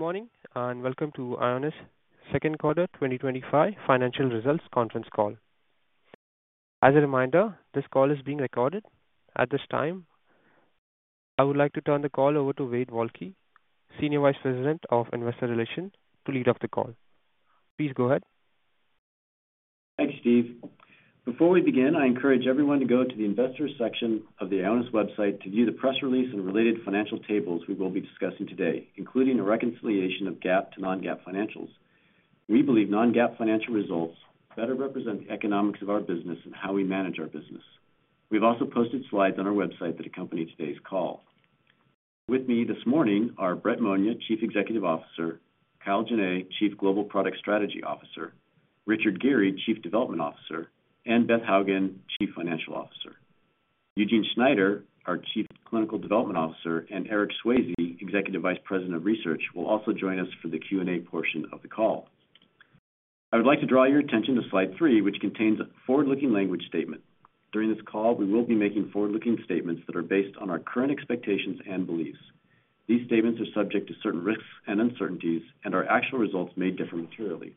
Good morning and welcome to Ionis second quarter 2025 financial results conference call. As a reminder, this call is being recorded. At this time, I would like to turn the call over to Wade Walke, Senior Vice President of Investor Relations, to lead the call. Please go ahead. Thank you, Steve. Before we begin, I encourage everyone to go to the Investors section of the Ionis website to view the press release and related financial tables we will be discussing today, including a reconciliation of GAAP to non-GAAP financials. We believe non-GAAP financial results better represent the economics of our business and how we manage our business. We have also posted slides on our website that accompany today's call. With me this morning are Brett Monia, Chief Executive Officer, Kyle Jenne, Chief Global Product Strategy Officer, Richard Geary, Chief Development Officer, and Beth Hougen, Chief Financial Officer. Eugene Schneider, our Chief Clinical Development Officer, and Eric Swayze, Executive Vice President of Research, will also join us for the Q&A portion of the call. I would like to draw your attention to slide three, which contains a forward-looking language statement. During this call, we will be making forward-looking statements that are based on our current expectations and beliefs. These statements are subject to certain risks and uncertainties, and our actual results may differ materially.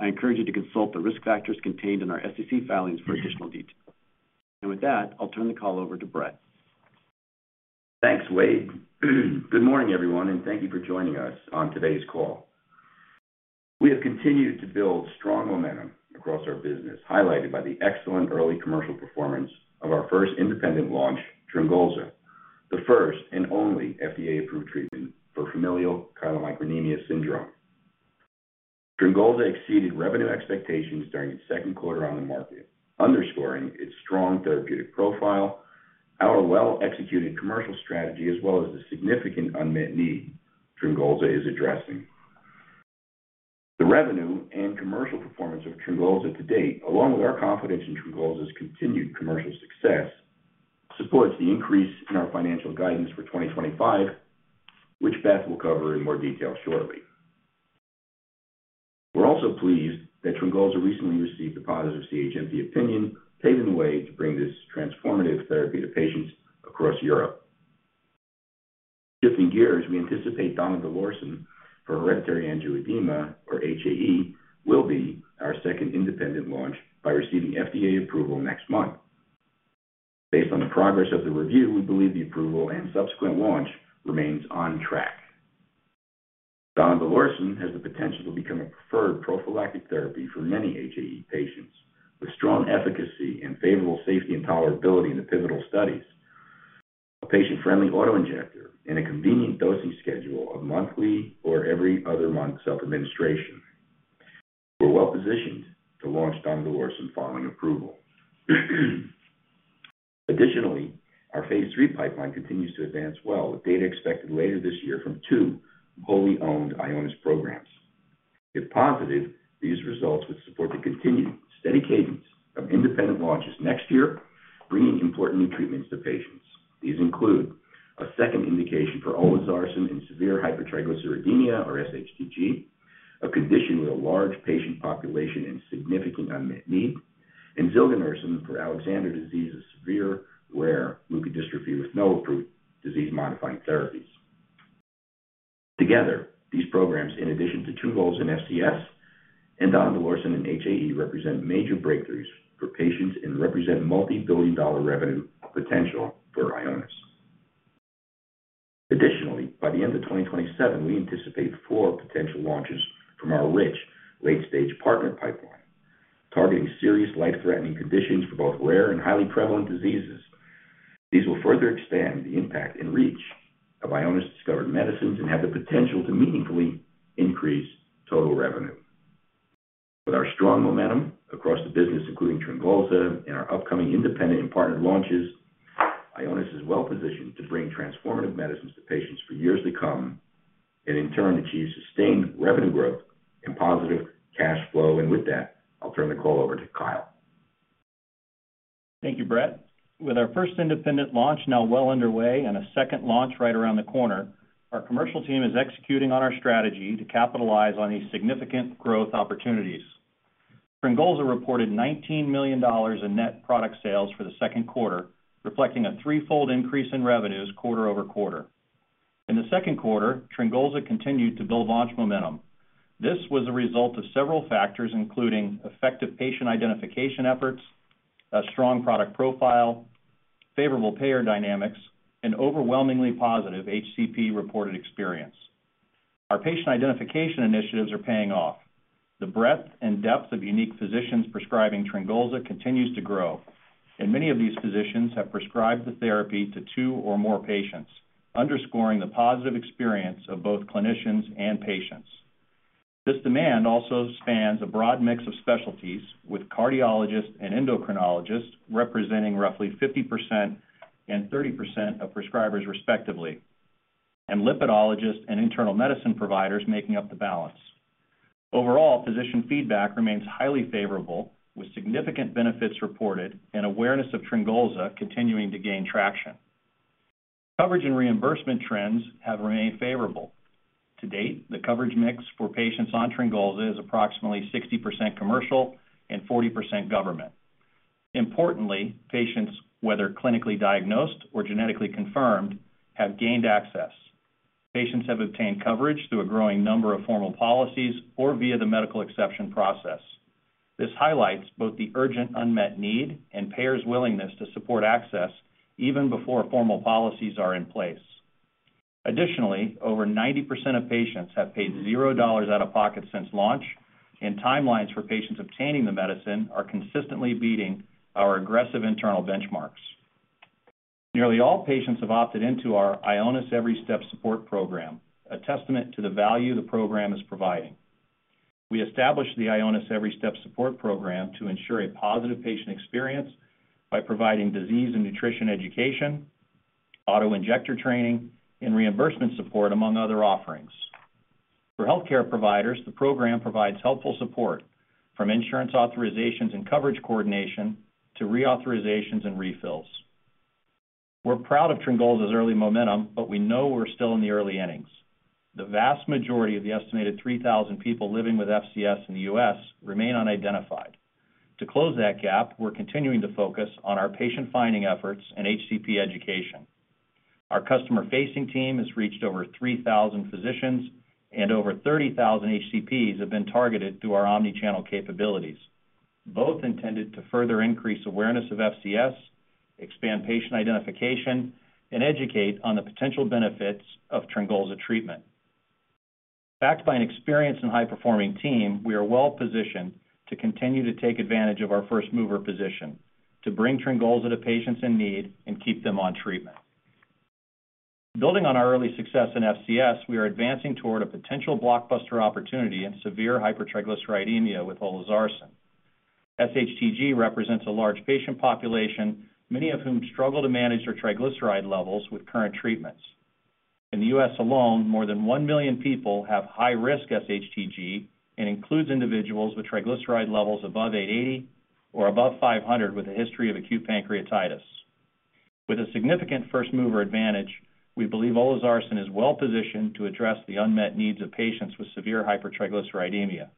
I encourage you to consult the risk factors contained in our SEC filings for additional details. With that, I'll turn the call over to Brett. Thanks, Wade. Good morning, everyone, and thank you for joining us on today's call. We have continued to build strong momentum across our business, highlighted by the excellent early commercial performance of our first independent launch, TRYNGOLZA, the first and only FDA-approved treatment for familial chylomicronemia syndrome. TRYNGOLZA exceeded revenue expectations during its second quarter on the market, underscoring its strong therapeutic profile and our well-executed commercial strategy, as well as the significant unmet need TRYNGOLZA is addressing. The revenue and commercial performance of TRYNGOLZA to date, along with our confidence in TRYNGOLZA's continued commercial success, support the increase in our financial guidance for 2025, which Beth will cover in more detail shortly. We are also pleased that TRYNGOLZA recently received a positive CHMP opinion, paving the way to bring this transformative therapy to patients across Europe. Shifting gears, we anticipate donidalorsen for hereditary angioedema, or HAE, will be our second independent launch by receiving FDA approval next month. Based on the progress of the review, we believe the approval and subsequent launch remains on track. donidalorsen has the potential to become a preferred prophylactic therapy for many HAE patients, with strong efficacy and favorable safety and tolerability in the pivotal studies, a patient-friendly autoinjector, and a convenient dosing schedule of monthly or every other month self-administration. We are well positioned to launch donidalorsen following approval. Additionally, our phase three pipeline continues to advance well, with data expected later this year from two wholly owned Ionis programs. If positive, these results would support the continued steady cadence of independent launches next year, bringing important new treatments to patients. These include a second indication for olezarsen in severe hypertriglyceridemia, or SHTG, a condition with a large patient population and significant unmet need, and zilganersen for Alexander disease, a severe rare leukodystrophy with no approved disease-modifying therapies. Together, these programs, in addition to TRYNGOLZA in FCS and donidalorsen in HAE, represent major breakthroughs for patients and represent multibillion-dollar revenue potential for Ionis. Additionally, by the end of 2027, we anticipate four potential launches from our rich late-stage partner pipeline, targeting serious life-threatening conditions for both rare and highly prevalent diseases. These will further expand the impact and reach of Ionis discovered medicines and have the potential to meaningfully increase total revenue. With our strong momentum across the business, including TRYNGOLZA and our upcoming independent and partnered launches, Ionis is well positioned to bring transformative medicines to patients for years to come and, in turn, achieve sustained revenue growth and positive cash flow. With that, I'll turn the call over to Kyle. Thank you, Brett. With our first independent launch now well underway and a second launch right around the corner, our commercial team is executing on our strategy to capitalize on these significant growth opportunities. TRYNGOLZA reported $19 million in net product sales for the second quarter, reflecting a threefold increase in revenues quarter over quarter. In the second quarter, TRYNGOLZA continued to build launch momentum. This was a result of several factors, including effective patient identification efforts, a strong product profile, favorable payer dynamics, and overwhelmingly positive HCP reported experience. Our patient identification initiatives are paying off. The breadth and depth of unique physicians prescribing TRYNGOLZA continues to grow, and many of these physicians have prescribed the therapy to two or more patients, underscoring the positive experience of both clinicians and patients. This demand also spans a broad mix of specialties, with cardiologists and endocrinologists representing roughly 50% and 30% of prescribers, respectively, and lipidologists and internal medicine providers making up the balance. Overall, physician feedback remains highly favorable, with significant benefits reported and awareness of TRYNGOLZA continuing to gain traction. Coverage and reimbursement trends have remained favorable. To date, the coverage mix for patients on TRYNGOLZA is approximately 60% commercial and 40% government. Importantly, patients, whether clinically diagnosed or genetically confirmed, have gained access. Patients have obtained coverage through a growing number of formal policies or via the medical exception process. This highlights both the urgent unmet need and payers' willingness to support access even before formal policies are in place. Additionally, over 90% of patients have paid $0 out of pocket since launch, and timelines for patients obtaining the medicine are consistently beating our aggressive internal benchmarks. Nearly all patients have opted into our Ionis Every Step support program, a testament to the value the program is providing. We established the Ionis Every Step support program to ensure a positive patient experience by providing disease and nutrition education, autoinjector training, and reimbursement support, among other offerings. For healthcare providers, the program provides helpful support from insurance authorizations and coverage coordination to reauthorizations and refills. We're proud of TRYNGOLZA's early momentum, but we know we're still in the early innings. The vast majority of the estimated 3,000 people living with FCS in the U.S. remain unidentified. To close that gap, we're continuing to focus on our patient-finding efforts and HCP education. Our customer-facing team has reached over 3,000 physicians, and over 30,000 HCPs have been targeted through our omnichannel capabilities, both intended to further increase awareness of FCS, expand patient identification, and educate on the potential benefits of TRYNGOLZA treatment. Backed by an experienced and high-performing team, we are well positioned to continue to take advantage of our first mover position to bring TRYNGOLZA to patients in need and keep them on treatment. Building on our early success in FCS, we are advancing toward a potential blockbuster opportunity in severe hypertriglyceridemia with olezarsen. SHTG represents a large patient population, many of whom struggle to manage their triglyceride levels with current treatments. In the U.S. alone, more than 1 million people have high-risk SHTG and includes individuals with triglyceride levels above 880 or above 500 with a history of acute pancreatitis. With a significant first mover advantage, we believe olezarsen is well positioned to address the unmet needs of patients with severe hypertriglyceridemia.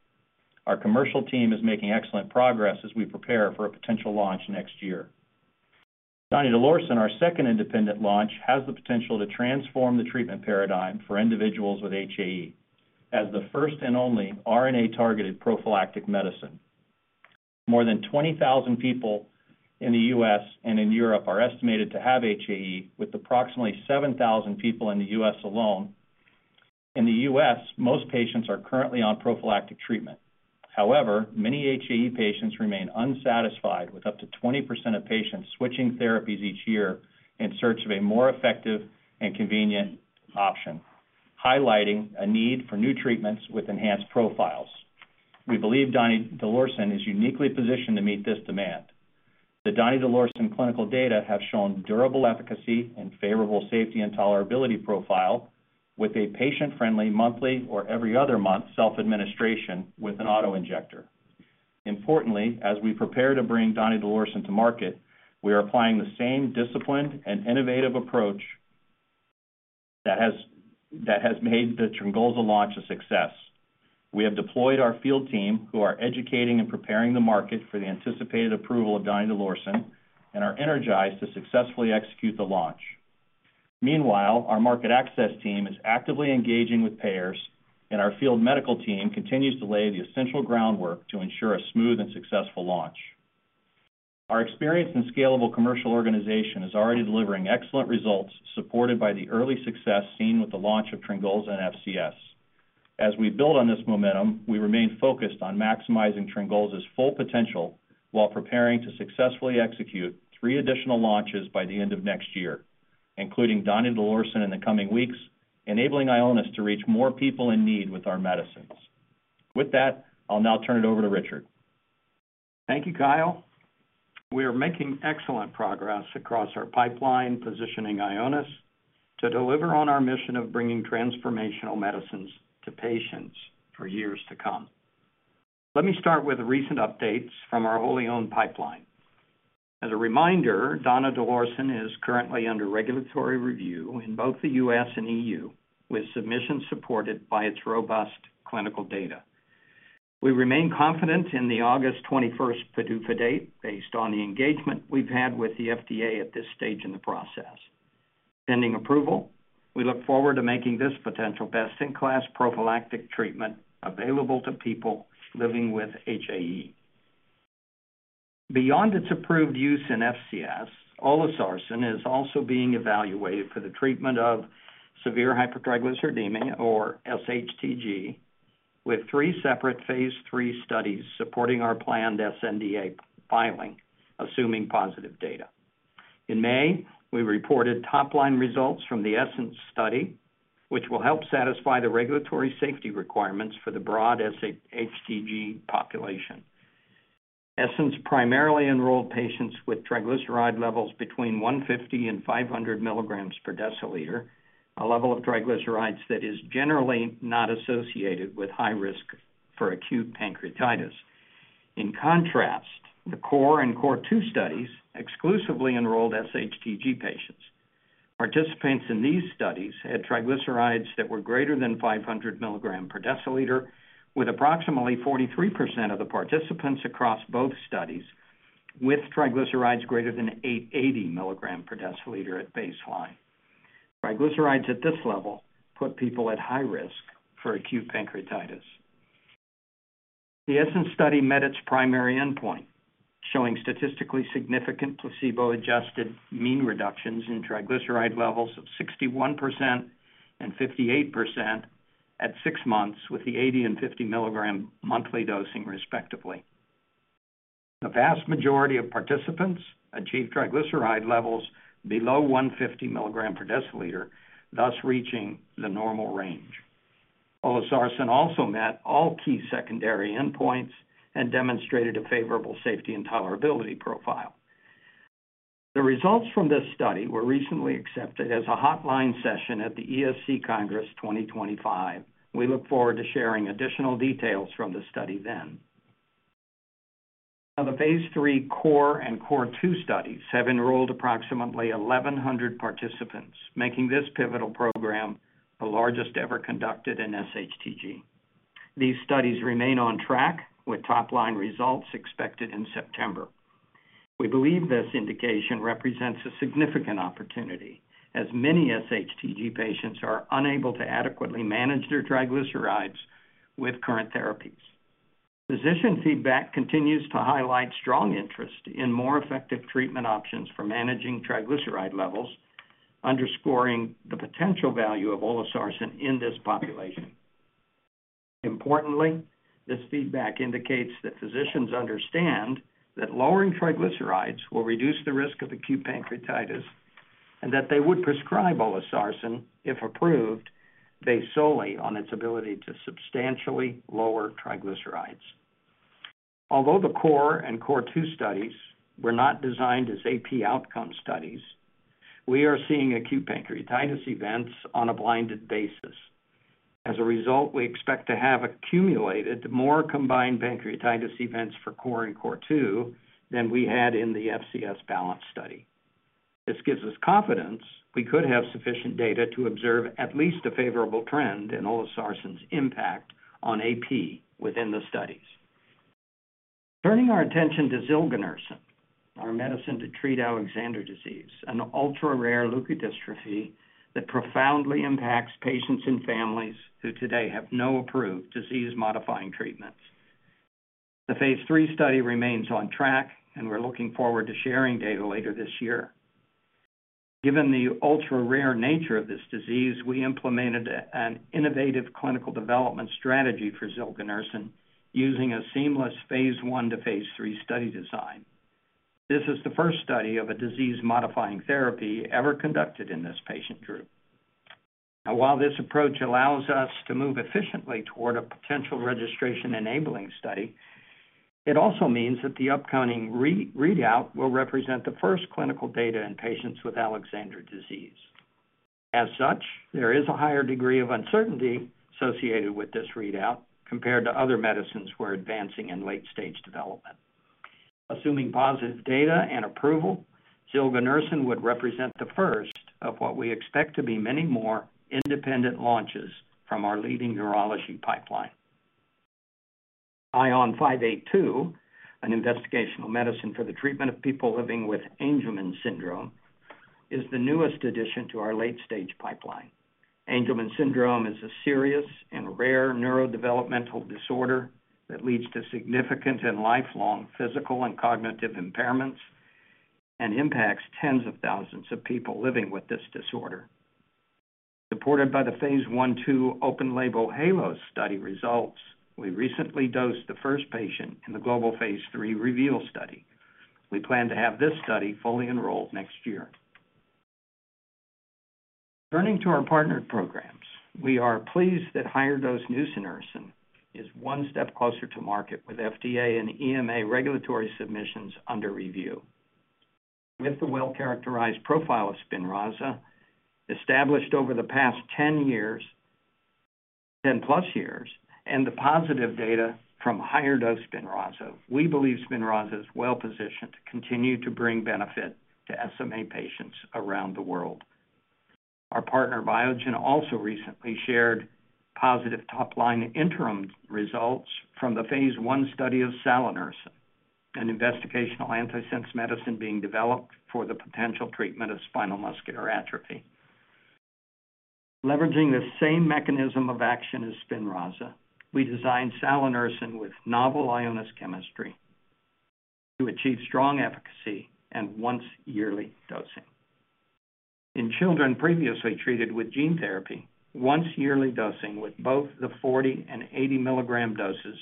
Our commercial team is making excellent progress as we prepare for a potential launch next year. donidalorsen, our second independent launch, has the potential to transform the treatment paradigm for individuals with HAE as the first and only RNA-targeted prophylactic medicine. More than 20,000 people in the U.S. and in Europe are estimated to have HAE, with approximately 7,000 people in the U.S. alone. In the U.S., most patients are currently on prophylactic treatment. However, many HAE patients remain unsatisfied, with up to 20% of patients switching therapies each year in search of a more effective and convenient option, highlighting a need for new treatments with enhanced profiles. We believe donidalorsen is uniquely positioned to meet this demand. The donidalorsen clinical data have shown durable efficacy and favorable safety and tolerability profile with a patient-friendly monthly or every other month self-administration with an autoinjector. Importantly, as we prepare to bring donidalorsen to market, we are applying the same disciplined and innovative approach that has made the TRYNGOLZA launch a success. We have deployed our field team, who are educating and preparing the market for the anticipated approval of donidalorsen, and are energized to successfully execute the launch. Meanwhile, our market access team is actively engaging with payers, and our field medical team continues to lay the essential groundwork to ensure a smooth and successful launch. Our experience and scalable commercial organization is already delivering excellent results, supported by the early success seen with the launch of TRYNGOLZA and FCS. As we build on this momentum, we remain focused on maximizing TRYNGOLZA's full potential while preparing to successfully execute three additional launches by the end of next year, including donidalorsen in the coming weeks, enabling Ionis Pharmaceuticals to reach more people in need with our medicines. With that, I'll now turn it over to Richard. Thank you, Kyle. We are making excellent progress across our pipeline, positioning Ionis to deliver on our mission of bringing transformational medicines to patients for years to come. Let me start with recent updates from our wholly owned pipeline. As a reminder, donidalorsen is currently under regulatory review in both the U.S. and EU, with submissions supported by its robust clinical data. We remain confident in the August 21st PDUFA date, based on the engagement we've had with the FDA at this stage in the process. Pending approval, we look forward to making this potential best-in-class prophylactic treatment available to people living with HAE. Beyond its approved use in FCS, olezarsen is also being evaluated for the treatment of severe hypertriglyceridemia, or SHTG, with three separate phase III studies supporting our planned sNDA filing, assuming positive data. In May, we reported top-line results from the ESSENCE study, which will help satisfy the regulatory safety requirements for the broad SHTG population. ESSENCE primarily enrolled patients with triglyceride levels between 150 mg and 500 mg per deciliter, a level of triglycerides that is generally not associated with high risk for acute pancreatitis. In contrast, the CORE and CORE2 studies exclusively enrolled SHTG patients. Participants in these studies had triglycerides that were greater than 500 mg per deciliter, with approximately 43% of the participants across both studies with triglycerides greater than 880 mg per deciliter at baseline. Triglycerides at this level put people at high risk for acute pancreatitis. The ESSENCE study met its primary endpoint, showing statistically significant placebo-adjusted mean reductions in triglyceride levels of 61% and 58% at six months, with the 80 and 50 milligram monthly dosing respectively. The vast majority of participants achieved triglyceride levels below 150 mg per deciliter, thus reaching the normal range. olezarsen also met all key secondary endpoints and demonstrated a favorable safety and tolerability profile. The results from this study were recently accepted as a hotline session at the ESC Congress 2025. We look forward to sharing additional details from the study then. Now, the phase III CORE and CORE2 studies have enrolled approximately 1,100 participants, making this pivotal program the largest ever conducted in SHTG. These studies remain on track, with top-line results expected in September. We believe this indication represents a significant opportunity, as many SHTG patients are unable to adequately manage their triglycerides with current therapies. Physician feedback continues to highlight strong interest in more effective treatment options for managing triglyceride levels, underscoring the potential value of olezarsen in this population. Importantly, this feedback indicates that physicians understand that lowering triglycerides will reduce the risk of acute pancreatitis and that they would prescribe olezarsen if approved, based solely on its ability to substantially lower triglycerides. Although the CORE and CORE2 studies were not designed as AP outcome studies, we are seeing acute pancreatitis events on a blinded basis. As a result, we expect to have accumulated more combined pancreatitis events for CORE and CORE2 than we had in the FCS balance study. This gives us confidence we could have sufficient data to observe at least a favorable trend in olezarsen's impact on AP within the studies. Turning our attention to zilganersen, our medicine to treat Alexander disease, an ultra-rare leukodystrophy that profoundly impacts patients and families who today have no approved disease-modifying treatments. The phase three study remains on track, and we're looking forward to sharing data later this year. Given the ultra-rare nature of this disease, we implemented an innovative clinical development strategy for zilganersen, using a seamless phase one to phase three study design. This is the first study of a disease-modifying therapy ever conducted in this patient group. Now, while this approach allows us to move efficiently toward a potential registration-enabling study, it also means that the upcoming readout will represent the first clinical data in patients with Alexander disease. As such, there is a higher degree of uncertainty associated with this readout compared to other medicines who are advancing in late-stage development. Assuming positive data and approval, zilganersen would represent the first of what we expect to be many more independent launches from our leading neurology pipeline. Ion 582, an investigational medicine for the treatment of people living with Angelman syndrome, is the newest addition to our late-stage pipeline. Angelman syndrome is a serious and rare neurodevelopmental disorder that leads to significant and lifelong physical and cognitive impairments and impacts tens of thousands of people living with this disorder. Supported by the phase one two open-label HALOS study results, we recently dosed the first patient in the global phase three REVEAL study. We plan to have this study fully enrolled next year. Turning to our partnered programs, we are pleased that higher dose nusinersen is one step closer to market, with FDA and EMA regulatory submissions under review. With the well-characterized profile of SPINRAZA, established over the past 10 years, 10+ years, and the positive data from higher dose SPINRAZA, we believe SPINRAZA is well positioned to continue to bring benefit to SMA patients around the world. Our partner, Biogen, also recently shared positive top-line interim results from the phase I study of salanersen, an investigational antisense medicine being developed for the potential treatment of spinal muscular atrophy. Leveraging the same mechanism of action as SPINRAZA, we designed salanersen with novel Ionis chemistry to achieve strong efficacy and once-yearly dosing. In children previously treated with gene therapy, once-yearly dosing with both the 40 mg and 80 mg doses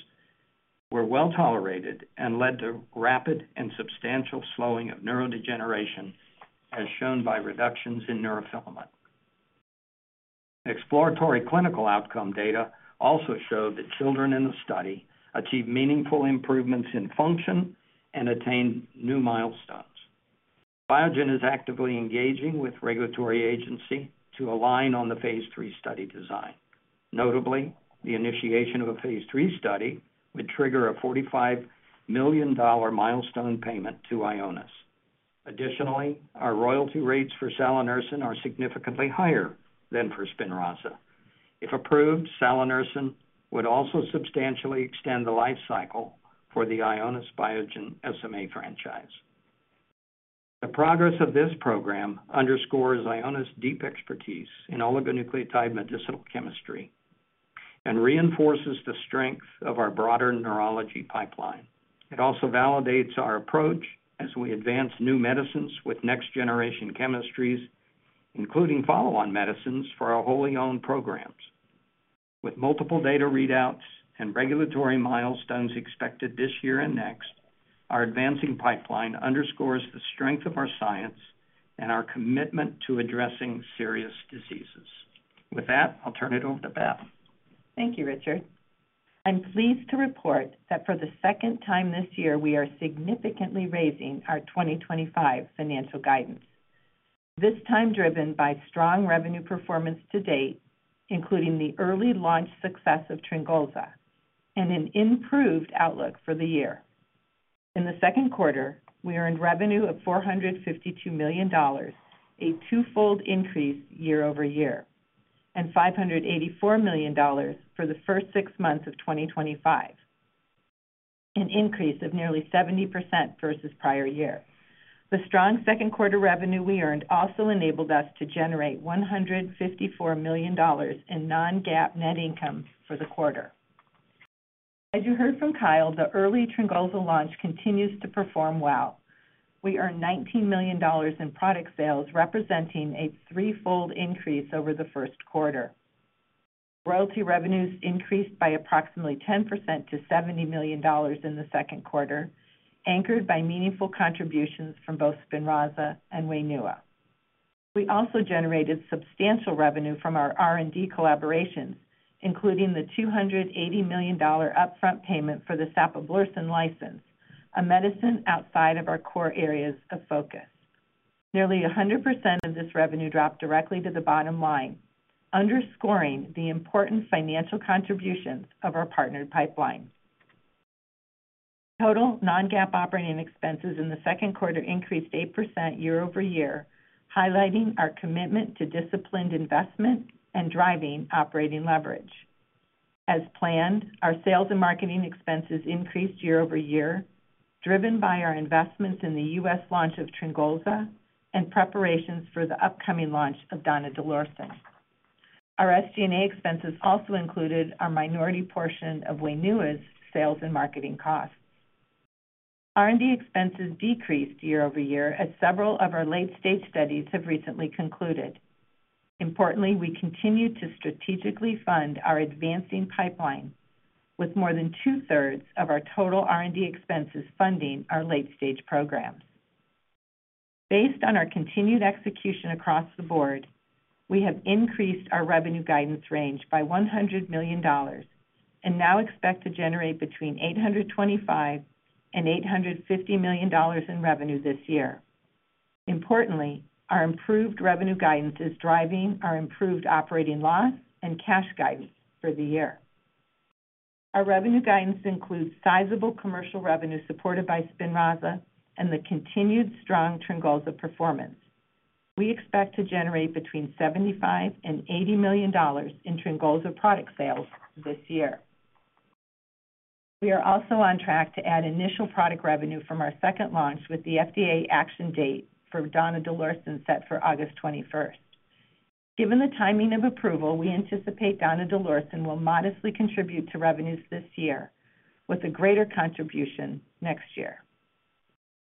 were well tolerated and led to rapid and substantial slowing of neurodegeneration, as shown by reductions in neurofilament. Exploratory clinical outcome data also showed that children in the study achieved meaningful improvements in function and attained new milestones. Biogen is actively engaging with regulatory agency to align on the phase three study design. Notably, the initiation of a phase III study would trigger a $45 million milestone payment to Ionis. Additionally, our royalty rates for salanersen are significantly higher than for SPINRAZA. If approved, salanersen would also substantially extend the life cycle for the Ionis Biogen SMA franchise. The progress of this program underscores Ionis' deep expertise in oligonucleotide medicinal chemistry and reinforces the strength of our broader neurology pipeline. It also validates our approach as we advance new medicines with next-generation chemistries, including follow-on medicines for our wholly owned programs. With multiple data readouts and regulatory milestones expected this year and next, our advancing pipeline underscores the strength of our science and our commitment to addressing serious diseases. With that, I'll turn it over to Beth. Thank you, Richard. I'm pleased to report that for the second time this year, we are significantly raising our 2025 financial guidance, this time driven by strong revenue performance to date, including the early launch success of TRYNGOLZA and an improved outlook for the year. In the second quarter, we earned revenue of $452 million, a twofold increase year-over-year, and $584 million for the first six months of 2025, an increase of nearly 70% versus prior year. The strong second quarter revenue we earned also enabled us to generate $154 million in non-GAAP net income for the quarter. As you heard from Kyle, the early TRYNGOLZA launch continues to perform well. We earned $19 million in product sales, representing a threefold increase over the first quarter. Royalty revenues increased by approximately 10% to $70 million in the second quarter, anchored by meaningful contributions from both SPINRAZA and WAINUA. We also generated substantial revenue from our R&D collaborations, including the $280 million upfront payment for the olezarsen license, a medicine outside of our core areas of focus. Nearly 100% of this revenue dropped directly to the bottom line, underscoring the important financial contributions of our partnered pipeline. Total non-GAAP operating expenses in the second quarter increased 8% year-over-year, highlighting our commitment to disciplined investment and driving operating leverage. As planned, our sales and marketing expenses increased year-over-year, driven by our investments in the U.S. launch of TRYNGOLZA and preparations for the upcoming launch of donidalorsen. Our SG&A expenses also included our minority portion of WAINUA's sales and marketing costs. R&D expenses decreased year-over-year, as several of our late-stage studies have recently concluded. Importantly, we continue to strategically fund our advancing pipeline, with more than two-thirds of our total R&D expenses funding our late-stage programs. Based on our continued execution across the board, we have increased our revenue guidance range by $100 million and now expect to generate between $825 million and $850 million in revenue this year. Importantly, our improved revenue guidance is driving our improved operating loss and cash guidance for the year. Our revenue guidance includes sizable commercial revenue supported by SPINRAZA and the continued strong TRYNGOLZA performance. We expect to generate between $75 million and $80 million in TRYNGOLZA product sales this year. We are also on track to add initial product revenue from our second launch with the FDA action date for donidalorsen set for August 21st. Given the timing of approval, we anticipate donidalorsen will modestly contribute to revenues this year, with a greater contribution next year.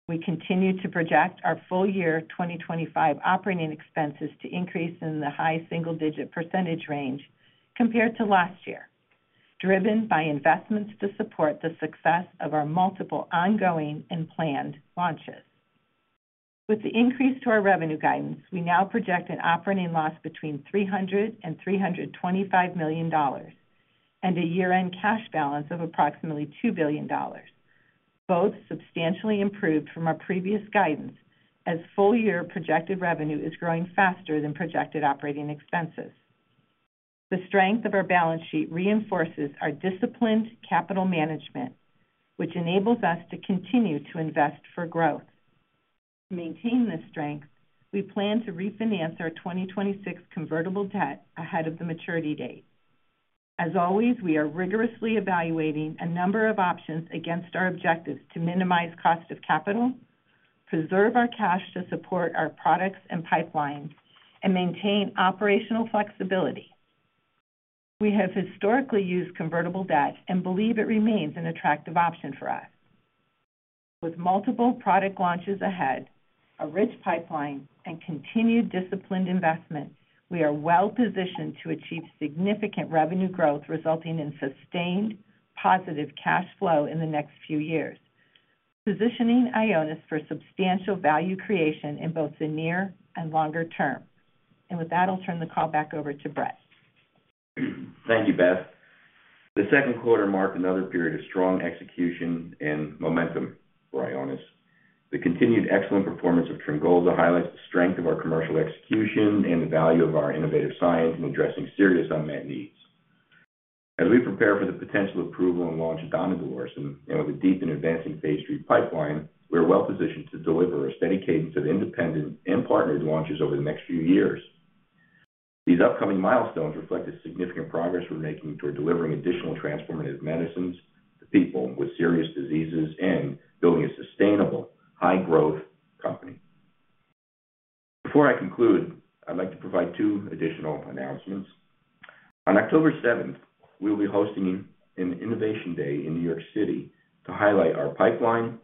We continue to project our full year 2025 operating expenses to increase in the high single-digit percentage range compared to last year, driven by investments to support the success of our multiple ongoing and planned launches. With the increase to our revenue guidance, we now project an operating loss between $300 million and $325 million and a year-end cash balance of approximately $2 billion, both substantially improved from our previous guidance, as full-year projected revenue is growing faster than projected operating expenses. The strength of our balance sheet reinforces our disciplined capital management, which enables us to continue to invest for growth. To maintain this strength, we plan to refinance our 2026 convertible debt ahead of the maturity date. As always, we are rigorously evaluating a number of options against our objectives to minimize cost of capital, preserve our cash to support our products and pipelines, and maintain operational flexibility. We have historically used convertible debt and believe it remains an attractive option for us. With multiple product launches ahead, a rich pipeline, and continued disciplined investment, we are well positioned to achieve significant revenue growth, resulting in sustained positive cash flow in the next few years, positioning Ionis for substantial value creation in both the near and longer term. I'll turn the call back over to Brett. Thank you, Beth. The second quarter marked another period of strong execution and momentum for Ionis Pharmaceuticals. The continued excellent performance of TRYNGOLZA highlights the strength of our commercial execution and the value of our innovative science in addressing serious unmet needs. As we prepare for the potential approval and launch of donidalorsen and with a deep and advancing phase three pipeline, we are well positioned to deliver a steady cadence of independent and partnered launches over the next few years. These upcoming milestones reflect the significant progress we're making toward delivering additional transformative medicines to people with serious diseases and building a sustainable, high-growth company. Before I conclude, I'd like to provide two additional announcements. On October 7th, we'll be hosting an Innovation Day in New York City to highlight our pipeline,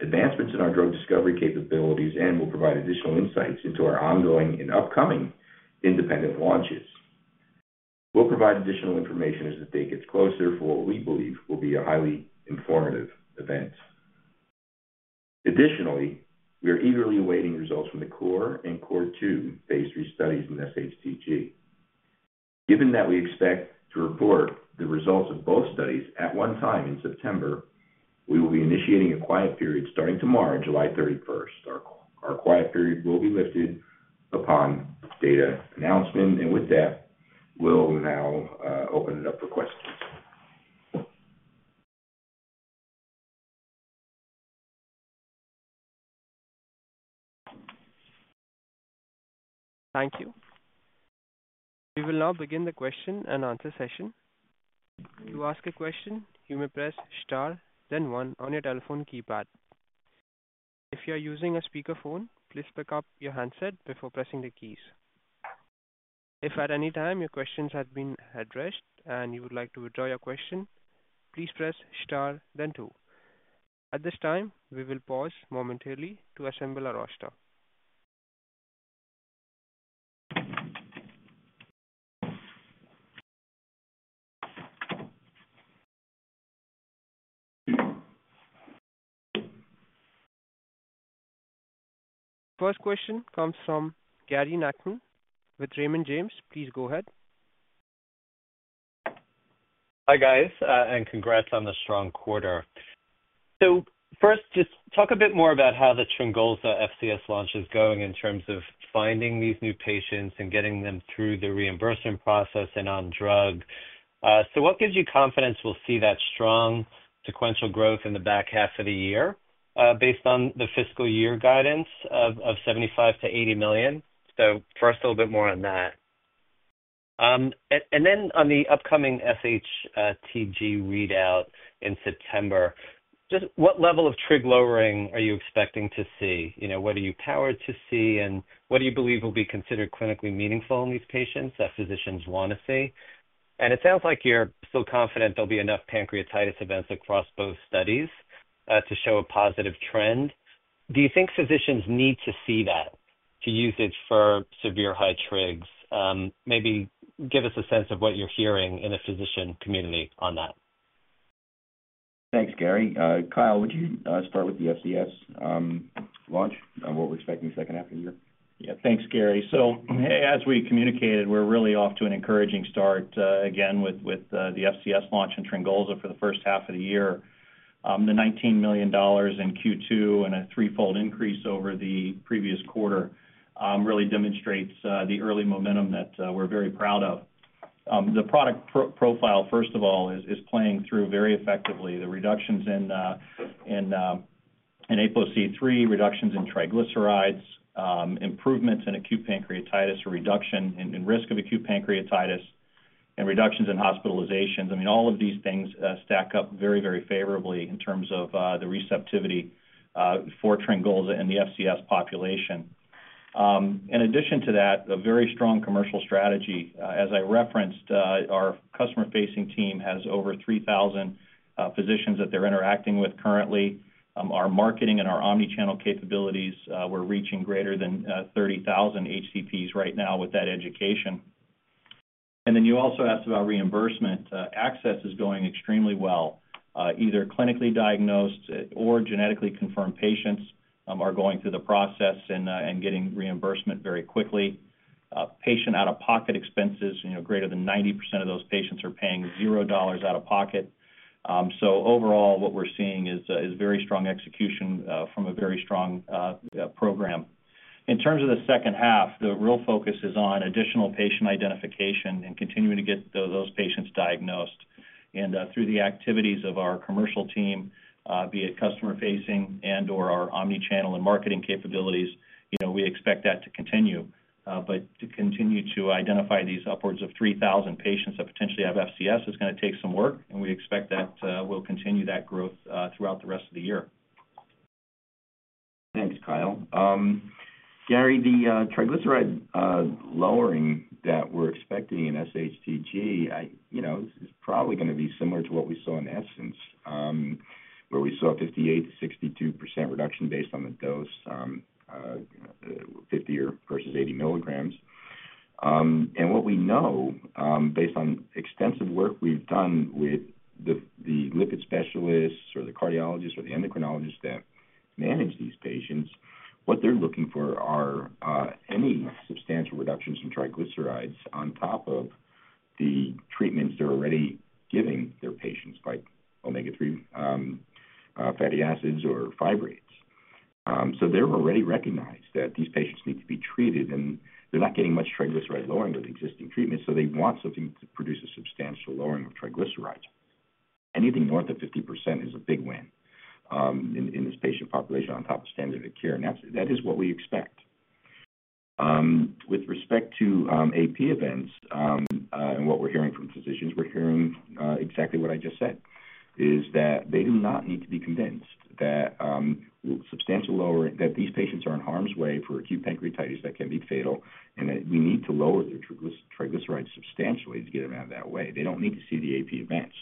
advancements in our drug discovery capabilities, and we'll provide additional insights into our ongoing and upcoming independent launches. We'll provide additional information as the day gets closer for what we believe will be a highly informative event. Additionally, we are eagerly awaiting results from the CORE and CORE2 phase three studies in SHTG. Given that we expect to report the results of both studies at one time in September, we will be initiating a quiet period starting tomorrow, July 31st. Our quiet period will be lifted upon data announcement, and with that, we'll now open it up for questions. Thank you. We will now begin the question and answer session. To ask a question, you may press star, then one on your telephone keypad. If you are using a speakerphone, please pick up your handset before pressing the keys. If at any time your questions have been addressed and you would like to withdraw your question, please press star, then two. At this time, we will pause momentarily to assemble our roster. First question comes from Gary Nachman with Raymond James. Please go ahead. Hi, guys, and congrats on the strong quarter. First, just talk a bit more about how the TRYNGOLZA FCS launch is going in terms of finding these new patients and getting them through the reimbursement process and on drug. What gives you confidence we'll see that strong sequential growth in the back half of the year based on the fiscal year guidance of $75 million-$80 million? First, a little bit more on that. On the upcoming SHTG readout in September, just what level of trig lowering are you expecting to see? What are you powered to see and what do you believe will be considered clinically meaningful in these patients that physicians want to see? It sounds like you're still confident there'll be enough pancreatitis events across both studies to show a positive trend. Do you think physicians need to see that to use it for severe high trigs? Maybe give us a sense of what you're hearing in the physician community on that. Thanks, Gary. Kyle, would you start with the FCS launch and what we're expecting the second half of the year? Yeah, thanks, Gary. As we communicated, we're really off to an encouraging start again with the FCS launch in TRYNGOLZA for the first half of the year. The $19 million in Q2 and a threefold increase over the previous quarter really demonstrates the early momentum that we're very proud of. The product profile, first of all, is playing through very effectively. The reductions in APOC3, reductions in triglycerides, improvements in acute pancreatitis, a reduction in risk of acute pancreatitis, and reductions in hospitalizations. All of these things stack up very, very favorably in terms of the receptivity for TRYNGOLZA in the FCS population. In addition to that, a very strong commercial strategy. As I referenced, our customer-facing team has over 3,000 physicians that they're interacting with currently. Our marketing and our omnichannel capabilities, we're reaching greater than 30,000 HCPs right now with that education. You also asked about reimbursement. Access is going extremely well. Either clinically diagnosed or genetically confirmed patients are going through the process and getting reimbursement very quickly. Patient out-of-pocket expenses, greater than 90% of those patients are paying $0 out of pocket. Overall, what we're seeing is very strong execution from a very strong program. In terms of the second half, the real focus is on additional patient identification and continuing to get those patients diagnosed. Through the activities of our commercial team, be it customer-facing and/or our omnichannel and marketing capabilities, we expect that to continue. To continue to identify these upwards of 3,000 patients that potentially have FCS is going to take some work, and we expect that we'll continue that growth throughout the rest of the year. Thanks, Kyle. Gary, the triglyceride lowering that we're expecting in SHTG is probably going to be similar to what we saw in ESSENCE, where we saw a 58%-62% reduction based on the dose, 50 versus 80 mg. What we know, based on extensive work we've done with the lipid specialists or the cardiologists or the endocrinologists that manage these patients, is what they're looking for are any substantial reductions in triglycerides on top of the treatments they're already giving their patients like omega-3 fatty acids or fibrates. They already recognize that these patients need to be treated, and they're not getting much triglyceride lowering with existing treatments, so they want something to produce a substantial lowering of triglycerides. Anything north of 50% is a big win in this patient population on top of standard of care, and that is what we expect. With respect to AP events and what we're hearing from physicians, we're hearing exactly what I just said, that they do not need to be convinced that substantial lowering, that these patients are in harm's way for acute pancreatitis that can be fatal and that we need to lower their triglycerides substantially to get them out of that way. They don't need to see the AP events.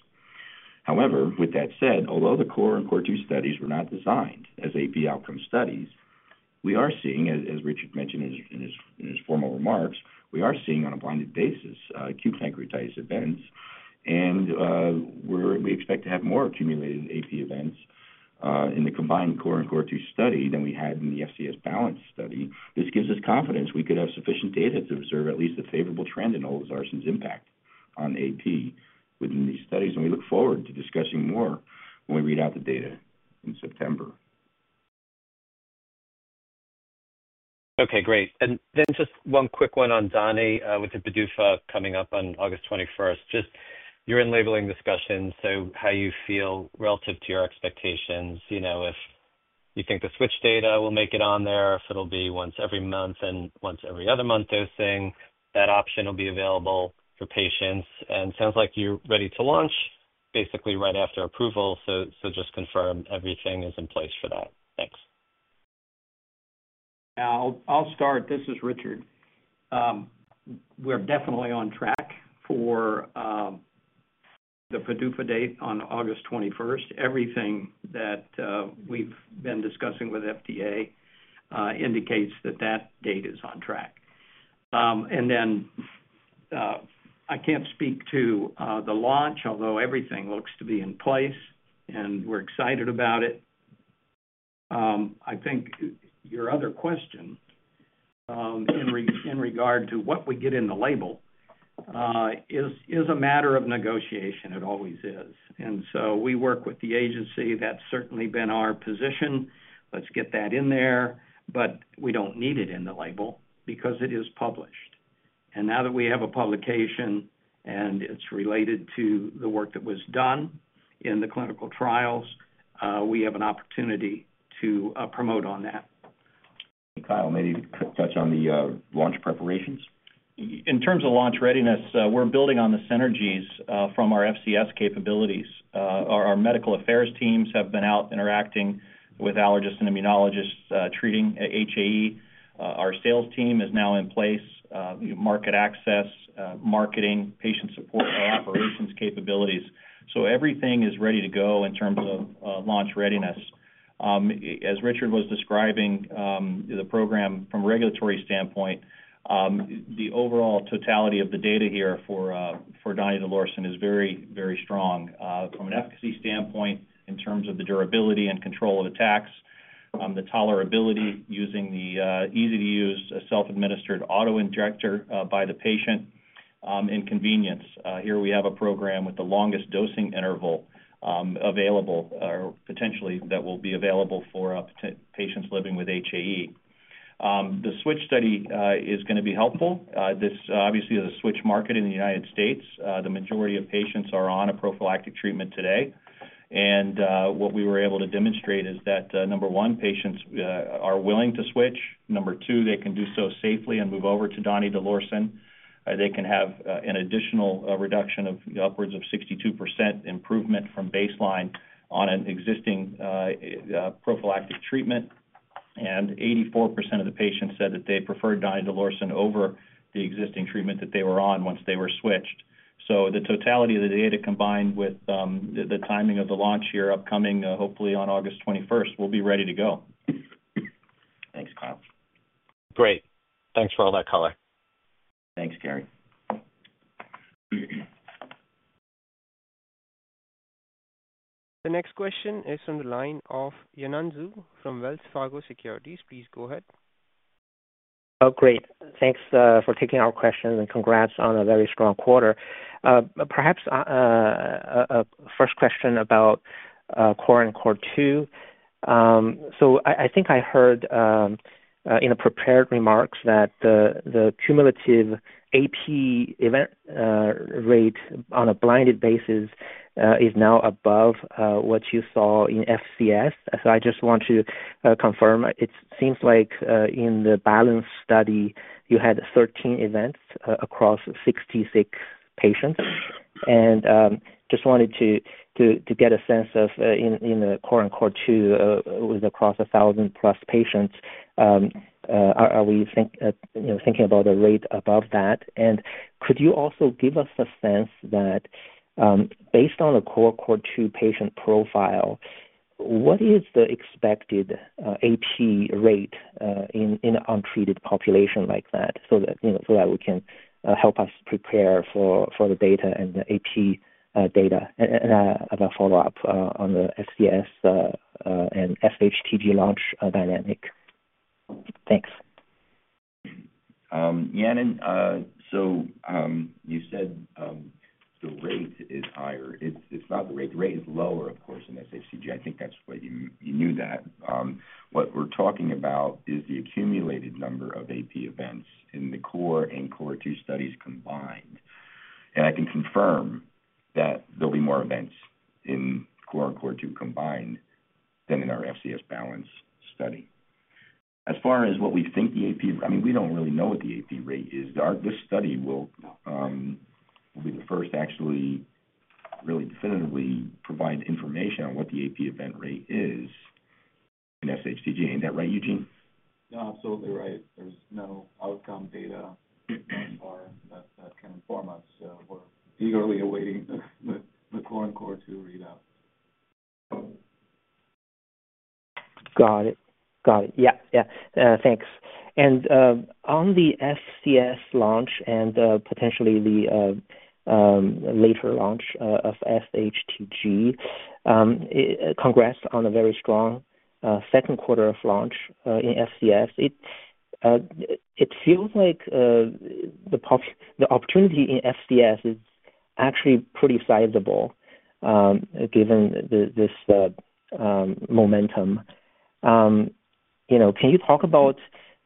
However, with that said, although the CORE and CORE2 studies were not designed as AP outcome studies, we are seeing, as Richard mentioned in his formal remarks, on a blinded basis acute pancreatitis events, and we expect to have more accumulated AP events in the combined CORE and CORE2 study than we had in the FCS balance study. This gives us confidence we could have sufficient data to observe at least a favorable trend in olezarsen's impact on AP within these studies, and we look forward to discussing more when we read out the data in September. Okay, great. Just one quick one on donidalorsen with the PDUFA coming up on August 21. You're in labeling discussions, so how do you feel relative to your expectations? You know, if you think the switch data will make it on there, if it'll be once every month and once every other month dosing, that option will be available for patients. It sounds like you're ready to launch basically right after approval, so just confirm everything is in place for that. Thanks. Now, I'll start. This is Richard. We're definitely on track for the PDUFA date on August 21. Everything that we've been discussing with the FDA indicates that that date is on track. I can't speak to the launch, although everything looks to be in place, and we're excited about it. I think your other question in regard to what we get in the label is a matter of negotiation. It always is. We work with the agency. That's certainly been our position. Let's get that in there. We don't need it in the label because it is published. Now that we have a publication and it's related to the work that was done in the clinical trials, we have an opportunity to promote on that. Kyle, maybe touch on the launch preparations. In terms of launch readiness, we're building on the synergies from our FCS capabilities. Our Medical Affairs teams have been out interacting with allergists and immunologists treating HAE. Our sales team is now in place, market access, marketing, patient support, our operations capabilities. Everything is ready to go in terms of launch readiness. As Richard was describing the program from a regulatory standpoint, the overall totality of the data here for donidalorsen is very, very strong from an efficacy standpoint in terms of the durability and control of attacks, the tolerability using the easy-to-use, self-administered autoinjector by the patient, and convenience. Here we have a program with the longest dosing interval available, or potentially that will be available for patients living with HAE. The switch study is going to be helpful. This obviously is a switch market in the United States. The majority of patients are on a prophylactic treatment today. What we were able to demonstrate is that, number one, patients are willing to switch; number two, they can do so safely and move over to donidalorsen. They can have an additional reduction of upwards of 62% improvement from baseline on an existing prophylactic treatment. 84% of the patients said that they preferred donidalorsen over the existing treatment that they were on once they were switched. The totality of the data combined with the timing of the launch here upcoming, hopefully on August 21st, we'll be ready to go. Thanks, Kyle. Great. Thanks for all that color. Thanks, Gary. The next question is from the line of [Yuman Tzu] from Wells Fargo Securities. Please go ahead. Oh, great. Thanks for taking our questions and congrats on a very strong quarter. Perhaps a first question about CORE and CORE2. I think I heard in the prepared remarks that the cumulative AP event rate on a blinded basis is now above what you saw in FCS. I just want to confirm, it seems like in the balance study, you had 13 events across 66 patients. I just wanted to get a sense of in the CORE and CORE2 with across 1,000+ patients, are we thinking about the rate above that? Could you also give us a sense that based on the CORE, CORE2 patient profile, what is the expected AP rate in an untreated population like that so that we can help us prepare for the data and the AP data and have a follow-up on the FCS and SHTG launch dynamic? Thanks. Yeah, you said the rate is higher. It's not the rate. The rate is lower, of course, in SHTG. I think you knew that. What we're talking about is the accumulated number of AP events in the CORE and CORE2 studies combined. I can confirm that there'll be more events in CORE and CORE2 combined than in our FCS balance study. As far as what we think the AP, I mean, we don't really know what the AP rate is. This study will be the first to actually really definitively provide information on what the AP event rate is in SHTG. Ain't that right, Eugene? No, absolutely right. There's no outcome data so far that can inform us. We're eagerly awaiting the CORE and CORE2 readout. Thanks. On the FCS launch and potentially the later launch of SHTG, congrats on a very strong second quarter of launch in FCS. It feels like the opportunity in FCS is actually pretty sizable given this momentum. Can you talk about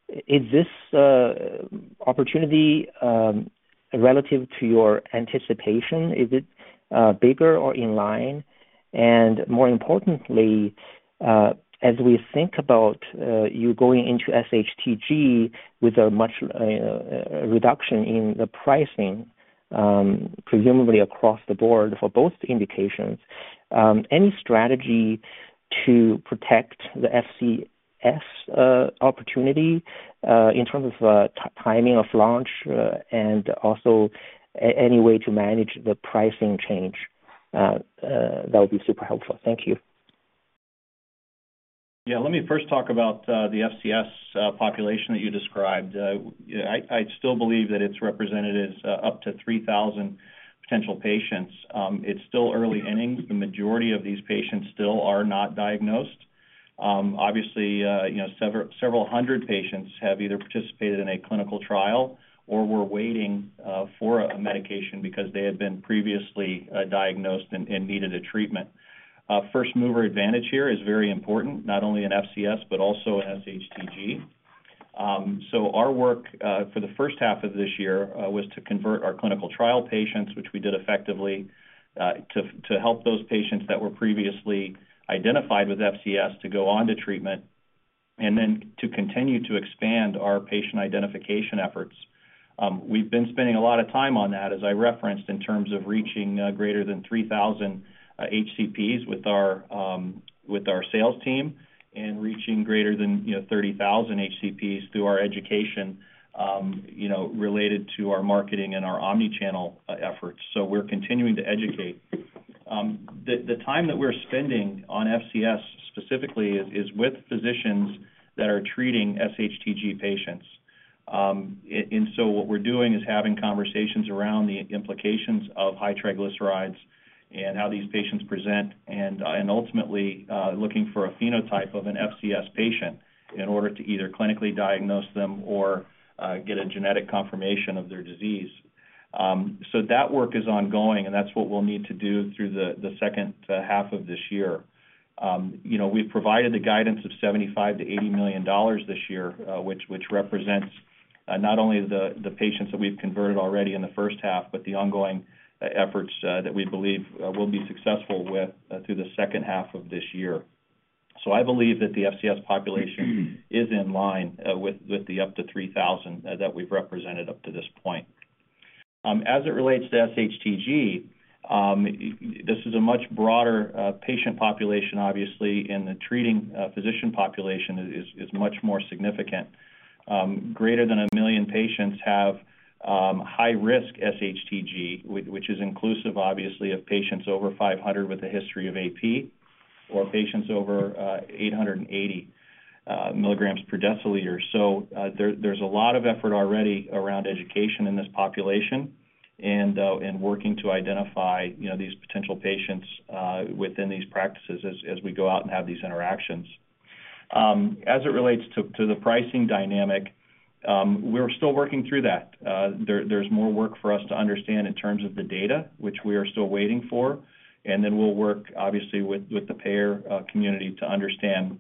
is this opportunity relative to your anticipation? Is it bigger or in line? More importantly, as we think about you going into SHTG with a much reduction in the pricing, presumably across the board for both indications, any strategy to protect the FCS opportunity in terms of timing of launch and also any way to manage the pricing change? That would be super helpful. Thank you. Yeah, let me first talk about the FCS population that you described. I still believe that it's represented as up to 3,000 potential patients. It's still early innings. The majority of these patients still are not diagnosed. Obviously, several hundred patients have either participated in a clinical trial or were waiting for a medication because they had been previously diagnosed and needed a treatment. First mover advantage here is very important, not only in FCS but also in SHTG. Our work for the first half of this year was to convert our clinical trial patients, which we did effectively, to help those patients that were previously identified with FCS to go on to treatment and then to continue to expand our patient identification efforts. We've been spending a lot of time on that, as I referenced, in terms of reaching greater than 3,000 HCPs with our sales team and reaching greater than 30,000 HCPs through our education related to our marketing and our omnichannel efforts. We're continuing to educate. The time that we're spending on FCS specifically is with physicians that are treating SHTG patients. What we're doing is having conversations around the implications of high triglycerides and how these patients present and ultimately looking for a phenotype of an FCS patient in order to either clinically diagnose them or get a genetic confirmation of their disease. That work is ongoing, and that's what we'll need to do through the second half of this year. We've provided the guidance of $75 million-$80 million this year, which represents not only the patients that we've converted already in the first half, but the ongoing efforts that we believe we'll be successful with through the second half of this year. I believe that the FCS population is in line with the up to 3,000 that we've represented up to this point. As it relates to SHTG, this is a much broader patient population, and the treating physician population is much more significant. Greater than a million patients have high-risk SHTG, which is inclusive of patients over 500 with a history of acute pancreatitis or patients over 880 mg per deciliter. There's a lot of effort already around education in this population and working to identify these potential patients within these practices as we go out and have these interactions. As it relates to the pricing dynamic, we're still working through that. There's more work for us to understand in terms of the data, which we are still waiting for. We'll work with the payer community to understand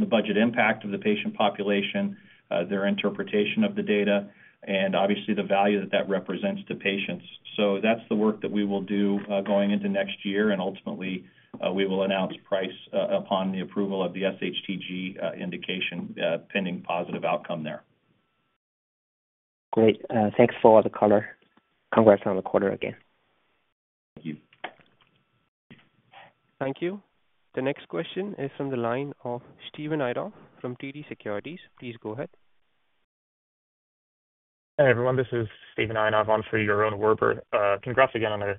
the budget impact of the patient population, their interpretation of the data, and the value that that represents to patients. That's the work that we will do going into next year, and ultimately, we will announce price upon the approval of the SHTG indication pending positive outcome there. Great. Thanks for the color. Congrats on the quarter again. Thank you. Thank you. The next question is from the line of Steven Ayanov from TD Securities. Please go ahead. Hey, everyone. This is Steven on for Werber. Congrats again on a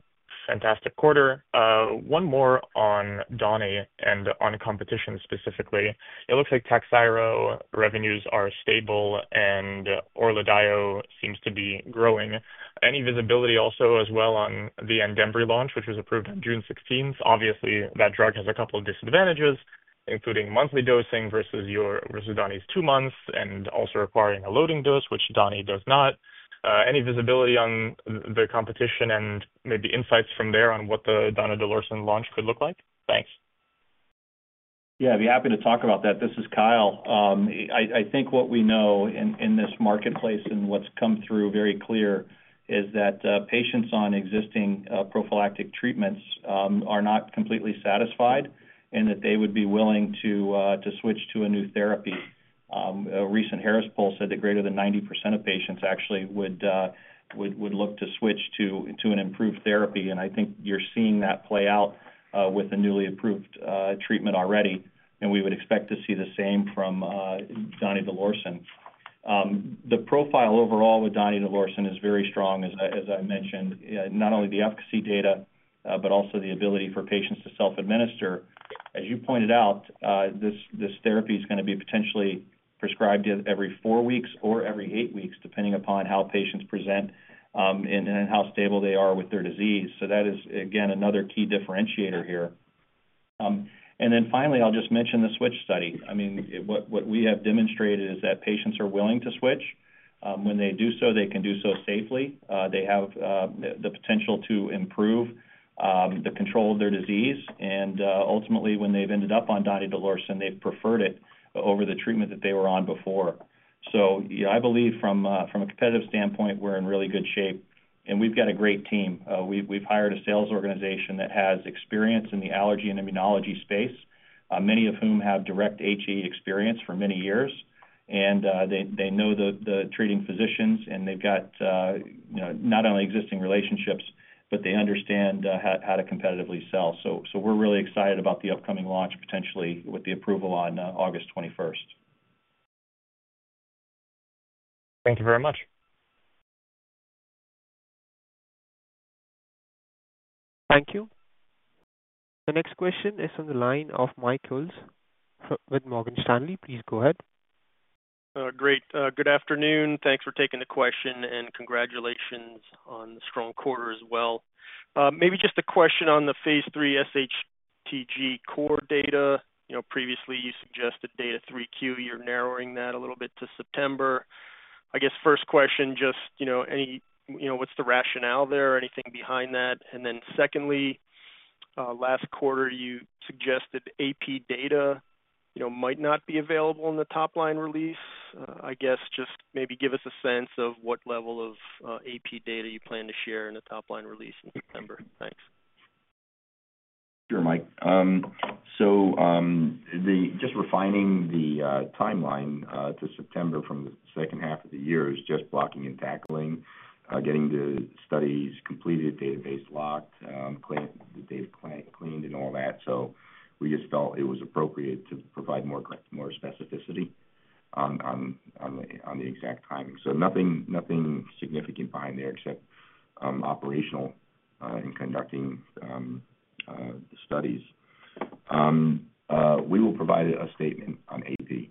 fantastic quarter. One more on doni and on competition specifically. It looks like TAKHZYRO revenues are stable, and ORLADEYO seems to be growing. Any visibility also as well on the endeavor launch, which was approved on June 16th, 2023? Obviously, that drug has a couple of disadvantages, including monthly dosing versus Donnie's two months and also requiring a loading dose, which Donnie does not. Any visibility on the competition and maybe insights from there on what the donidalorsen launch could look like? Thanks. Yeah, I'd be happy to talk about that. This is Kyle. I think what we know in this marketplace and what's come through very clear is that patients on existing prophylactic treatments are not completely satisfied and that they would be willing to switch to a new therapy. A recent Harris poll said that greater than 90% of patients actually would look to switch to an improved therapy. I think you're seeing that play out with a newly approved treatment already, and we would expect to see the same from donidalorsen. The profile overall with donidalorsen is very strong, as I mentioned, not only the efficacy data, but also the ability for patients to self-administer. As you pointed out, this therapy is going to be potentially prescribed every four weeks or every eight weeks, depending upon how patients present and how stable they are with their disease. That is, again, another key differentiator here. Finally, I'll just mention the switch study. What we have demonstrated is that patients are willing to switch. When they do so, they can do so safely. They have the potential to improve the control of their disease. Ultimately, when they've ended up on donidalorsen, they've preferred it over the treatment that they were on before. I believe from a competitive standpoint, we're in really good shape, and we've got a great team. We've hired a sales organization that has experience in the allergy and immunology space, many of whom have direct HAE experience for many years. They know the treating physicians, and they've got not only existing relationships, but they understand how to competitively sell. We're really excited about the upcoming launch, potentially with the approval on August 21st. Thank you very much. Thank you. The next question is on the line of [Michaels] with Morgan Stanley. Please go ahead. Great. Good afternoon. Thanks for taking the question, and congratulations on the strong quarter as well. Maybe just a question on the phase three SHTG CORE data. You know, previously you suggested data 3Q. You're narrowing that a little bit to September. I guess first question, just what's the rationale there or anything behind that? Secondly, last quarter you suggested AP data might not be available in the top-line release. I guess just maybe give us a sense of what level of AP data you plan to share in the top-line release in September. Thanks. Sure, Mike. Just refining the timeline to September from the second half of the year is just blocking and tackling, getting the studies completed, database locked, the data cleaned, and all that. We just felt it was appropriate to provide more specificity on the exact timing. Nothing significant behind there except operational in conducting the studies. We will provide a statement on acute pancreatitis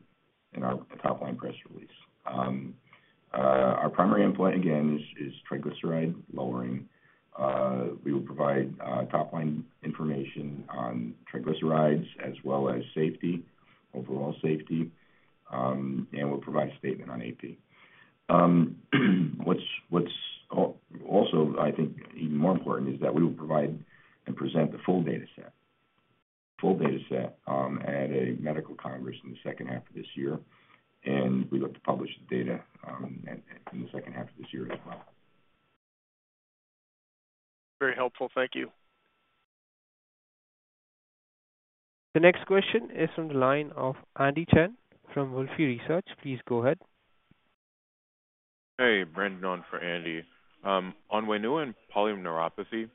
in our top-line press release. Our primary endpoint, again, is triglyceride lowering. We will provide top-line information on triglycerides as well as safety, overall safety, and we'll provide a statement on acute pancreatitis. What's also, I think, even more important is that we will provide and present the full dataset, full dataset at a medical congress in the second half of this year, and we look to publish the data in the second half of this year as well. Very helpful. Thank you. The next question is from the line of Andy Chen from Wolfe Research. Please go ahead. Hey, Brendan for Andy. On WAINUA and polyneuropathy,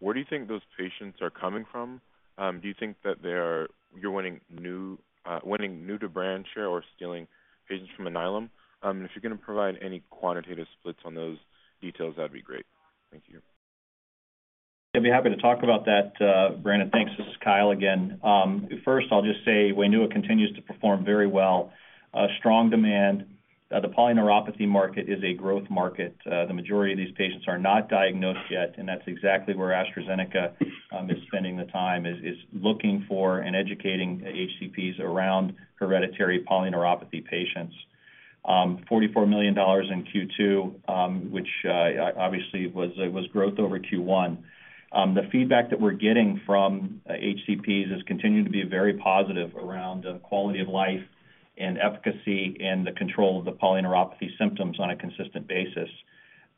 where do you think those patients are coming from? Do you think that you're winning new to brand share or stealing patients from an island? If you're going to provide any quantitative splits on those details, that'd be great. Thank you. Yeah, I'd be happy to talk about that, Brandon. Thanks. This is Kyle again. First, I'll just say WAINUA continues to perform very well. Strong demand. The polyneuropathy market is a growth market. The majority of these patients are not diagnosed yet, and that's exactly where AstraZeneca is spending the time, is looking for and educating HCPs around hereditary polyneuropathy patients. $44 million in Q2, which obviously was growth over Q1. The feedback that we're getting from HCPs has continued to be very positive around quality of life and efficacy and the control of the polyneuropathy symptoms on a consistent basis.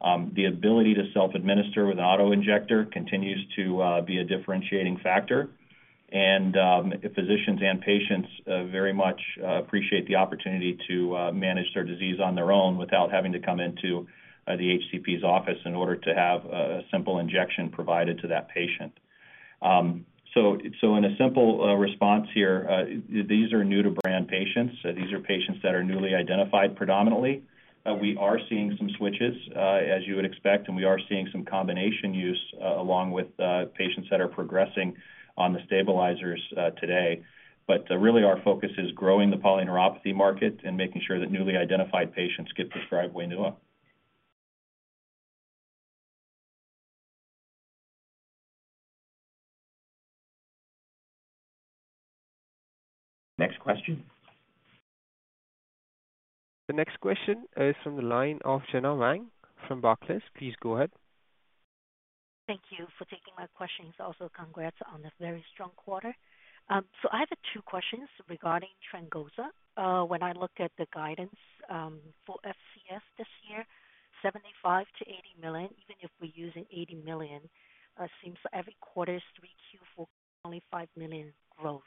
The ability to self-administer with an autoinjector continues to be a differentiating factor. Physicians and patients very much appreciate the opportunity to manage their disease on their own without having to come into the HCP's office in order to have a simple injection provided to that patient. In a simple response here, these are new to brand patients. These are patients that are newly identified predominantly. We are seeing some switches, as you would expect, and we are seeing some combination use along with patients that are progressing on the stabilizers today. Our focus is growing the polyneuropathy market and making sure that newly identified patients get prescribed WAINUA. Next question. The next question is from the line of Gena Wang from Barclays. Please go ahead. Thank you for taking my questions. Also, congrats on a very strong quarter. I have two questions regarding TRYNGOLZA. When I look at the guidance for FCS this year, $75 million-$80 million, even if we're using $80 million, it seems every quarter is 3Q for only $5 million growth.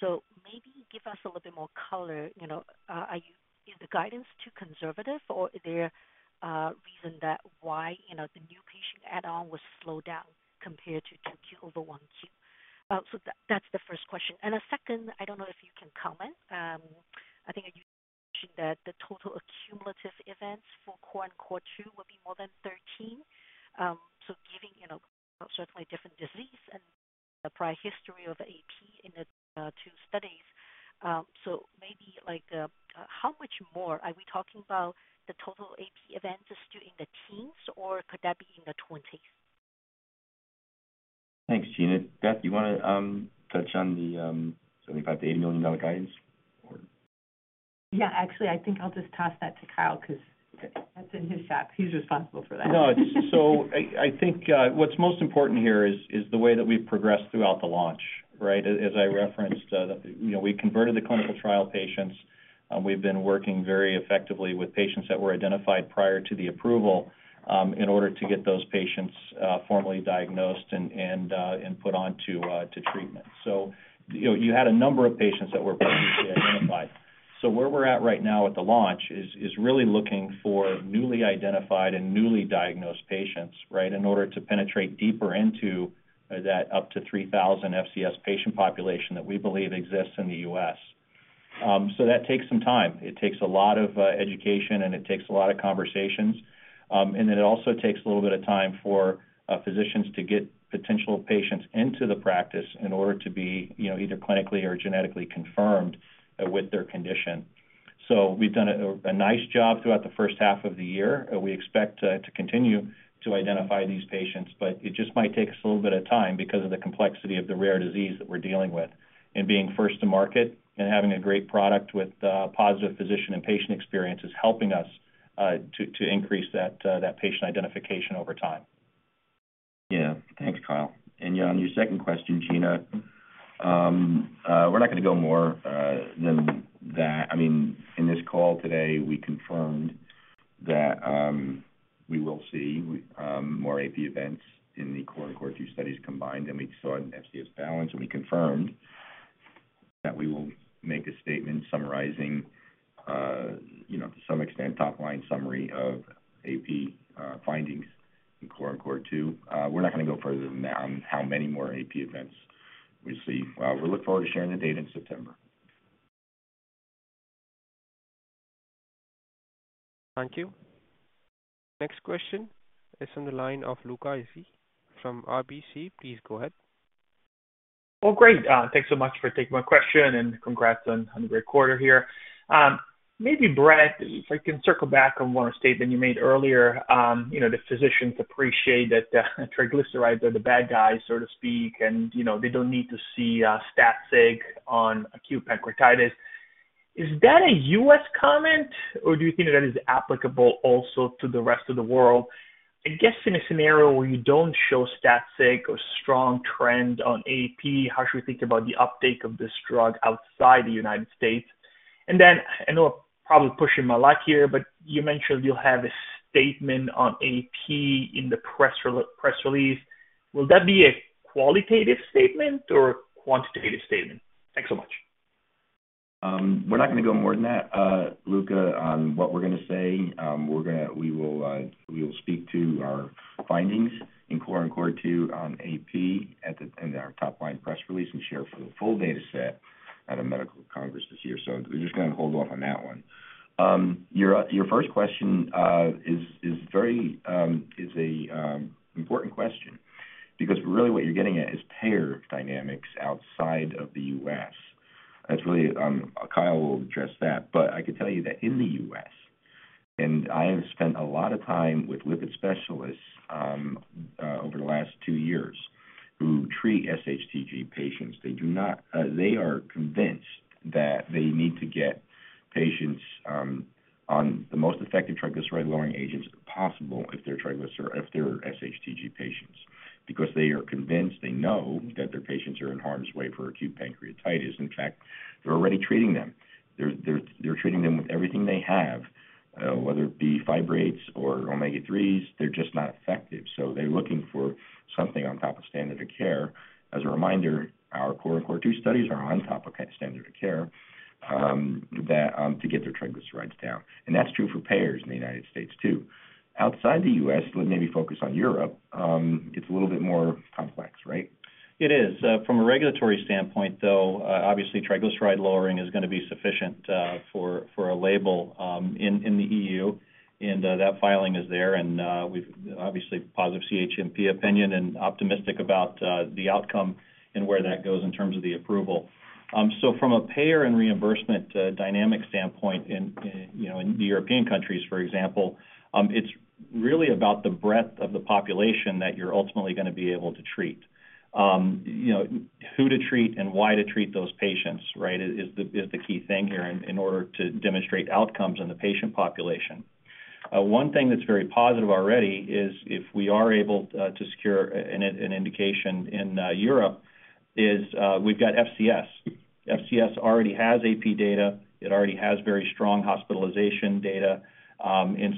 Maybe give us a little bit more color. Is the guidance too conservative, or is there a reason why the new patient add-on was slowed down compared to 2Q over 1Q? That's the first question. Second, I don't know if you can comment. I think you mentioned that the total accumulative events for CORE and CORE2 would be more than 13. Given certainly a different disease and the prior history of acute pancreatitis in the two studies, how much more are we talking about the total acute pancreatitis events? Is it in the teens or could that be in the 20s? Thanks, Gene. Beth, do you want to touch on the $75 million-$80 million guidance or? Yeah, actually, I think I'll just toss that to Kyle because that's in his shop. He's responsible for that. No, I think what's most important here is the way that we've progressed throughout the launch, right? As I referenced, we converted the clinical trial patients. We've been working very effectively with patients that were identified prior to the approval in order to get those patients formally diagnosed and put on to treatment. You had a number of patients that were previously identified. Where we're at right now with the launch is really looking for newly identified and newly diagnosed patients, right, in order to penetrate deeper into that up to 3,000 FCS patient population that we believe exists in the U.S. That takes some time. It takes a lot of education, and it takes a lot of conversations. It also takes a little bit of time for physicians to get potential patients into the practice in order to be, you know, either clinically or genetically confirmed with their condition. We've done a nice job throughout the first half of the year. We expect to continue to identify these patients, but it just might take us a little bit of time because of the complexity of the rare disease that we're dealing with. Being first to market and having a great product with positive physician and patient experience is helping us to increase that patient identification over time. Yeah, thanks, Kyle. On your second question, Gene, we're not going to go more than that. In this call today, we confirmed that we will see more AP events in the CORE and CORE2 studies combined. We saw an FCS balance, and we confirmed that we will make a statement summarizing, to some extent, top-line summary of AP findings in CORE and CORE2. We're not going to go further than that on how many more AP events we see. We'll look forward to sharing the data in September. Thank you. Next question is on the line of Luca Issi from RBC. Please go ahead. Great, thanks so much for taking my question and congrats on a great quarter here. Maybe, Brett, if I can circle back on one statement you made earlier, you know, the physicians appreciate that triglycerides are the bad guys, so to speak, and you know, they don't need to see stat sig on acute pancreatitis. Is that a U.S. comment, or do you think that is applicable also to the rest of the world? I guess in a scenario where you don't show stat sig or strong trend on AP, how should we think about the uptake of this drug outside the United States? I know I'm probably pushing my luck here, but you mentioned you'll have a statement on AP in the press release. Will that be a qualitative statement or a quantitative statement? Thanks so much. We're not going to go more than that, Luca, on what we're going to say. We will speak to our findings in CORE and CORE2 on AP at the end of our top-line press release and share for the full dataset at a medical congress this year. We're just going to hold off on that one. Your first question is a very important question because really what you're getting at is payer dynamics outside of the U.S. That's really Kyle will address that. I could tell you that in the U.S., and I have spent a lot of time with lipid specialists over the last two years who treat SHTG patients. They do not, they are convinced that they need to get patients on the most effective triglyceride-lowering agents possible if they're SHTG patients because they are convinced they know that their patients are in harm's way for acute pancreatitis. In fact, they're already treating them. They're treating them with everything they have, whether it be fibrates or omega-3s. They're just not effective. They're looking for something on top of standard of care. As a reminder, our CORE and CORE2 studies are on top of standard of care to get their triglycerides down. That's true for payers in the United States, too. Outside the U.S., let me maybe focus on Europe. It's a little bit more complex, right? It is. From a regulatory standpoint, though, obviously, triglyceride lowering is going to be sufficient for a label in the EU. That filing is there, and we've obviously positive CHMP opinion and optimistic about the outcome and where that goes in terms of the approval. From a payer and reimbursement dynamic standpoint, you know, in the European countries, for example, it's really about the breadth of the population that you're ultimately going to be able to treat. You know, who to treat and why to treat those patients, right, is the key thing here in order to demonstrate outcomes in the patient population. One thing that's very positive already is if we are able to secure an indication in Europe is we've got FCS. FCS already has AP data. It already has very strong hospitalization data.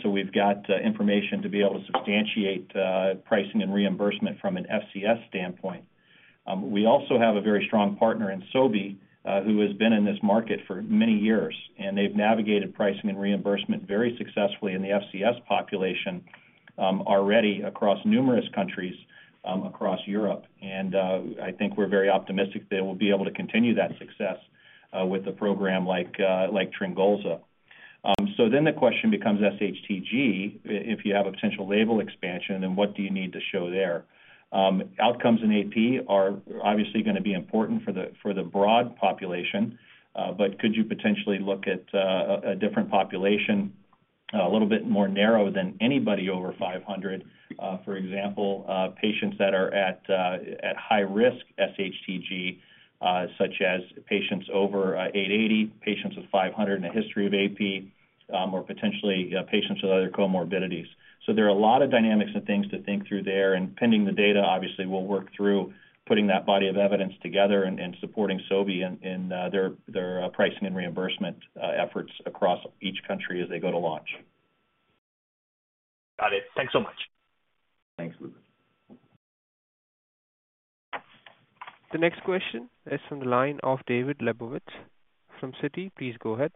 We've got information to be able to substantiate pricing and reimbursement from an FCS standpoint. We also have a very strong partner in Sobi who has been in this market for many years, and they've navigated pricing and reimbursement very successfully in the FCS population already across numerous countries across Europe. I think we're very optimistic that we'll be able to continue that success with a program like TRYNGOLZA. The question becomes SHTG. If you have a potential label expansion, then what do you need to show there? Outcomes in AP are obviously going to be important for the broad population, but could you potentially look at a different population, a little bit more narrow than anybody over 500? For example, patients that are at high-risk SHTG, such as patients over 880, patients of 500 and a history of AP, or potentially patients with other comorbidities. There are a lot of dynamics and things to think through there. Pending the data, obviously, we'll work through putting that body of evidence together and supporting Sobi in their pricing and reimbursement efforts across each country as they go to launch. Got it. Thanks so much. Thanks, Luca. The next question is from the line of David Lebowitz from Citi. Please go ahead.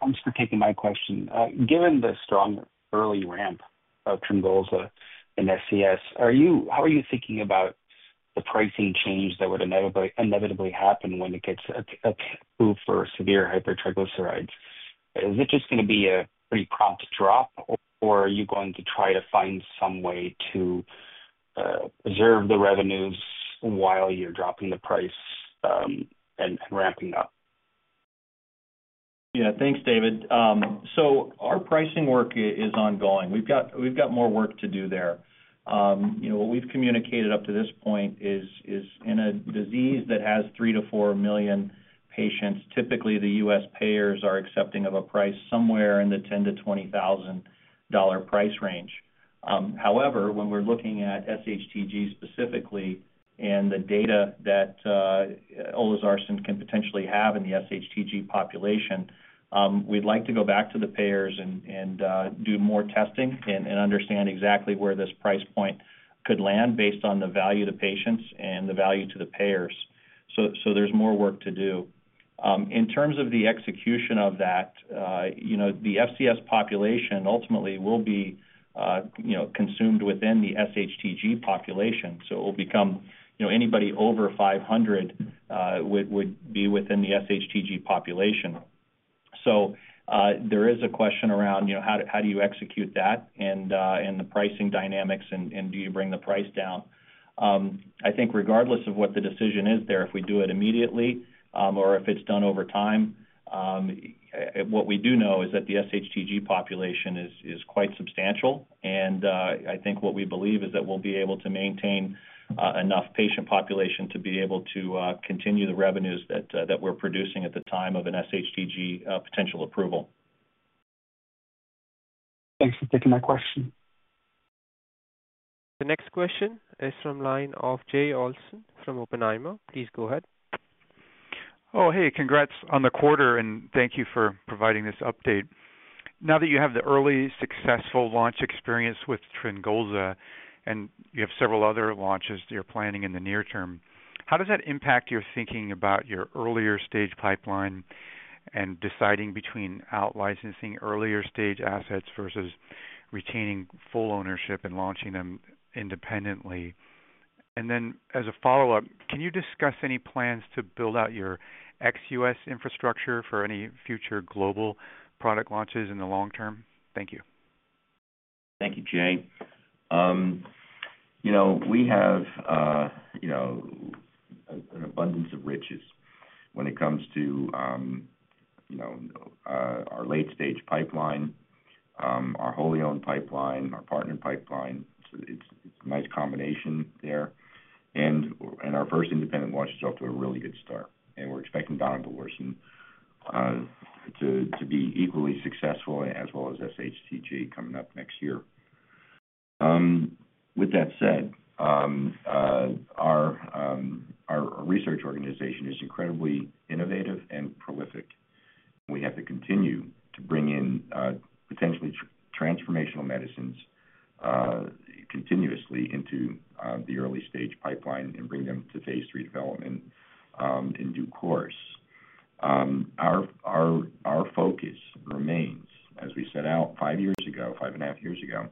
Thanks for taking my question. Given the strong early ramp of TRYNGOLZA and FCS, how are you thinking about the pricing change that would inevitably happen when it gets approved for severe hypertriglyceridemia? Is it just going to be a pretty prompt drop, or are you going to try to find some way to preserve the revenues while you're dropping the price and ramping up? Yeah, thanks, David. Our pricing work is ongoing. We've got more work to do there. What we've communicated up to this point is in a disease that has 3 to 4 million patients, typically the U.S. payers are accepting of a price somewhere in the $10,000 to $20,000 price range. However, when we're looking at SHTG specifically and the data that olezarsen can potentially have in the SHTG population, we'd like to go back to the payers and do more testing and understand exactly where this price point could land based on the value to patients and the value to the payers. There's more work to do. In terms of the execution of that, the FCS population ultimately will be consumed within the SHTG population. It will become anybody over 500 would be within the SHTG population. There is a question around how do you execute that and the pricing dynamics, and do you bring the price down? I think regardless of what the decision is there, if we do it immediately or if it's done over time, what we do know is that the SHTG population is quite substantial. I think what we believe is that we'll be able to maintain enough patient population to be able to continue the revenues that we're producing at the time of an SHTG potential approval. Thanks for taking my question. The next question is from the line of Jay Olson from Oppenheimer. Please go ahead. Oh, hey, congrats on the quarter, and thank you for providing this update. Now that you have the early successful launch experience with TRYNGOLZA and you have several other launches that you're planning in the near term, how does that impact your thinking about your earlier stage pipeline and deciding between out-licensing earlier stage assets versus retaining full ownership and launching them independently? As a follow-up, can you discuss any plans to build out your ex-U.S. infrastructure for any future global product launches in the long term? Thank you. Thank you, Jane. We have an abundance of riches when it comes to our late-stage pipeline, our wholly owned pipeline, our partner pipeline. It's a nice combination there. Our first independent launch is off to a really good start, and we're expecting donidalorsen to be equally successful as well as SHTG coming up next year. Our research organization is incredibly innovative and prolific. We have to continue to bring in potentially transformational medicines continuously into the early-stage pipeline and bring them to phase three development in due course. Our focus remains, as we set out five years ago, five and a half years ago,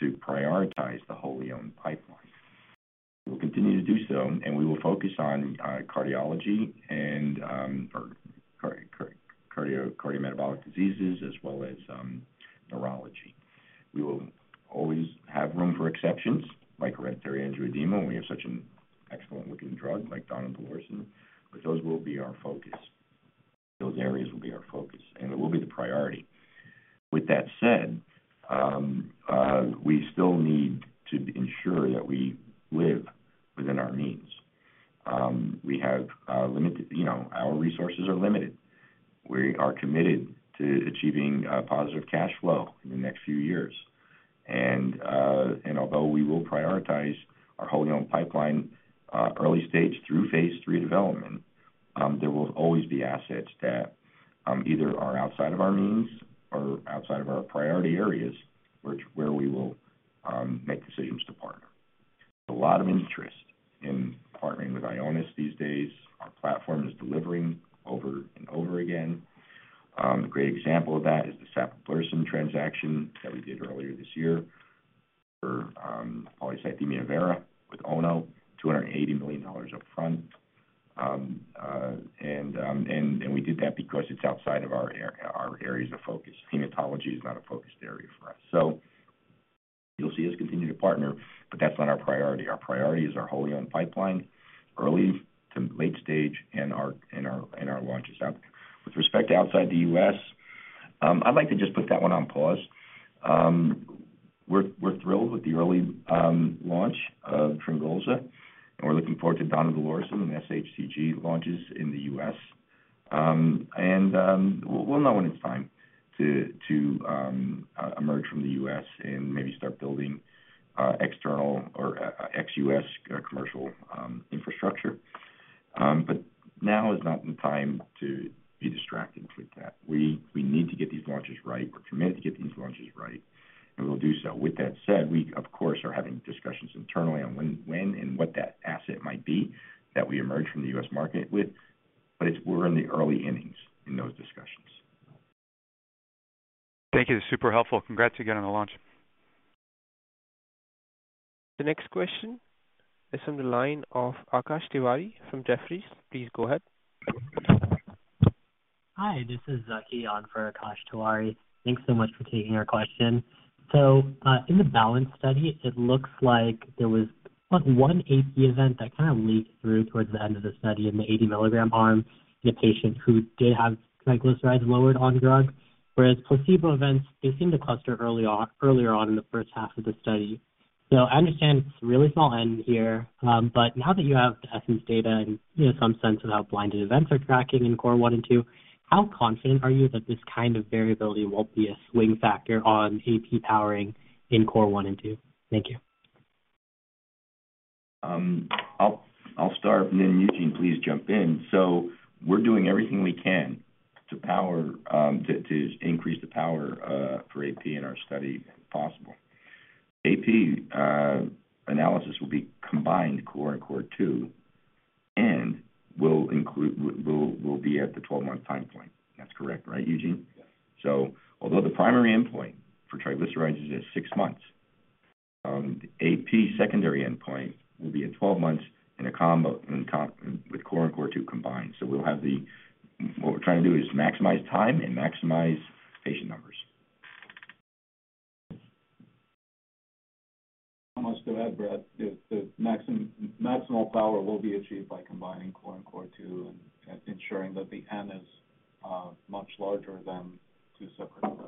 to prioritize the wholly owned pipeline. We'll continue to do so, and we will focus on cardiology and cardiometabolic diseases as well as neurology. We will always have room for exceptions like hereditary angioedema, and we have such an excellent-looking drug like donidalorsen, but those will be our focus. Those areas will be our focus, and it will be the priority. We still need to ensure that we live within our means. Our resources are limited. We are committed to achieving positive cash flow in the next few years. Although we will prioritize our wholly owned pipeline early stage through phase three development, there will always be assets that either are outside of our means or outside of our priority areas where we will make decisions to partner. There's a lot of interest in partnering with Ionis Pharmaceuticals these days. Our platform is delivering over and over again. A great example of that is the Sappho-Blurson transaction that we did earlier this year for polycythemia vera with Ono, $280 million upfront. We did that because it's outside of our areas of focus. Hematology is not a focused area for us. You'll see us continue to partner, but that's not our priority. Our priority is our wholly owned pipeline early to late stage and our launches out. With respect to outside the U.S., I'd like to just put that one on pause. We're thrilled with the early launch of TRYNGOLZA, and we're looking forward to donidalorsen and SHTG launches in the U.S. We'll know when it's time to emerge from the U.S. and maybe start building external or ex-U.S. commercial infrastructure. Now is not the time to be distracted with that. We need to get these launches right. We're committed to get these launches right, and we'll do so. We, of course, are having discussions internally on when and what that asset might be that we emerge from the U.S. market with. We're in the early innings in those discussions. Thank you. Super helpful. Congrats again on the launch. The next question is from the line of Akash Tewari from Jefferies. Please go ahead. Hi, this is Keyon for Akash Tewari. Thanks so much for taking our question. In the BALANCE study, it looks like there was one acute pancreatitis event that kind of leaked through towards the end of the study in the 80 mg arm in a patient who did have triglycerides lowered on drug, whereas placebo events, they seem to cluster earlier on in the first half of the study. I understand it's a really small N here, but now that you have. Asset data and, you know, some sense of how blinded events are tracking in CORE and CORE2. How confident are you that this kind of variability won't be a swing factor on acute pancreatitis powering in CORE and CORE2? Thank you. I'll start, and then Eugene, please jump in. We're doing everything we can to increase the power for AP in our study if possible. AP analysis will be combined CORE and CORE2, and we'll include, we'll be at the 12-month time point. That's correct, right, Eugene? Yes. Although the primary endpoint for triglycerides is at six months, the acute pancreatitis secondary endpoint will be at 12 months in combination with CORE and CORE2 combined. We're trying to maximize time and maximize patient numbers. I'll go ahead, Brett. The maximal power will be achieved by combining CORE and CORE2 and ensuring that the N is much larger than two separate points.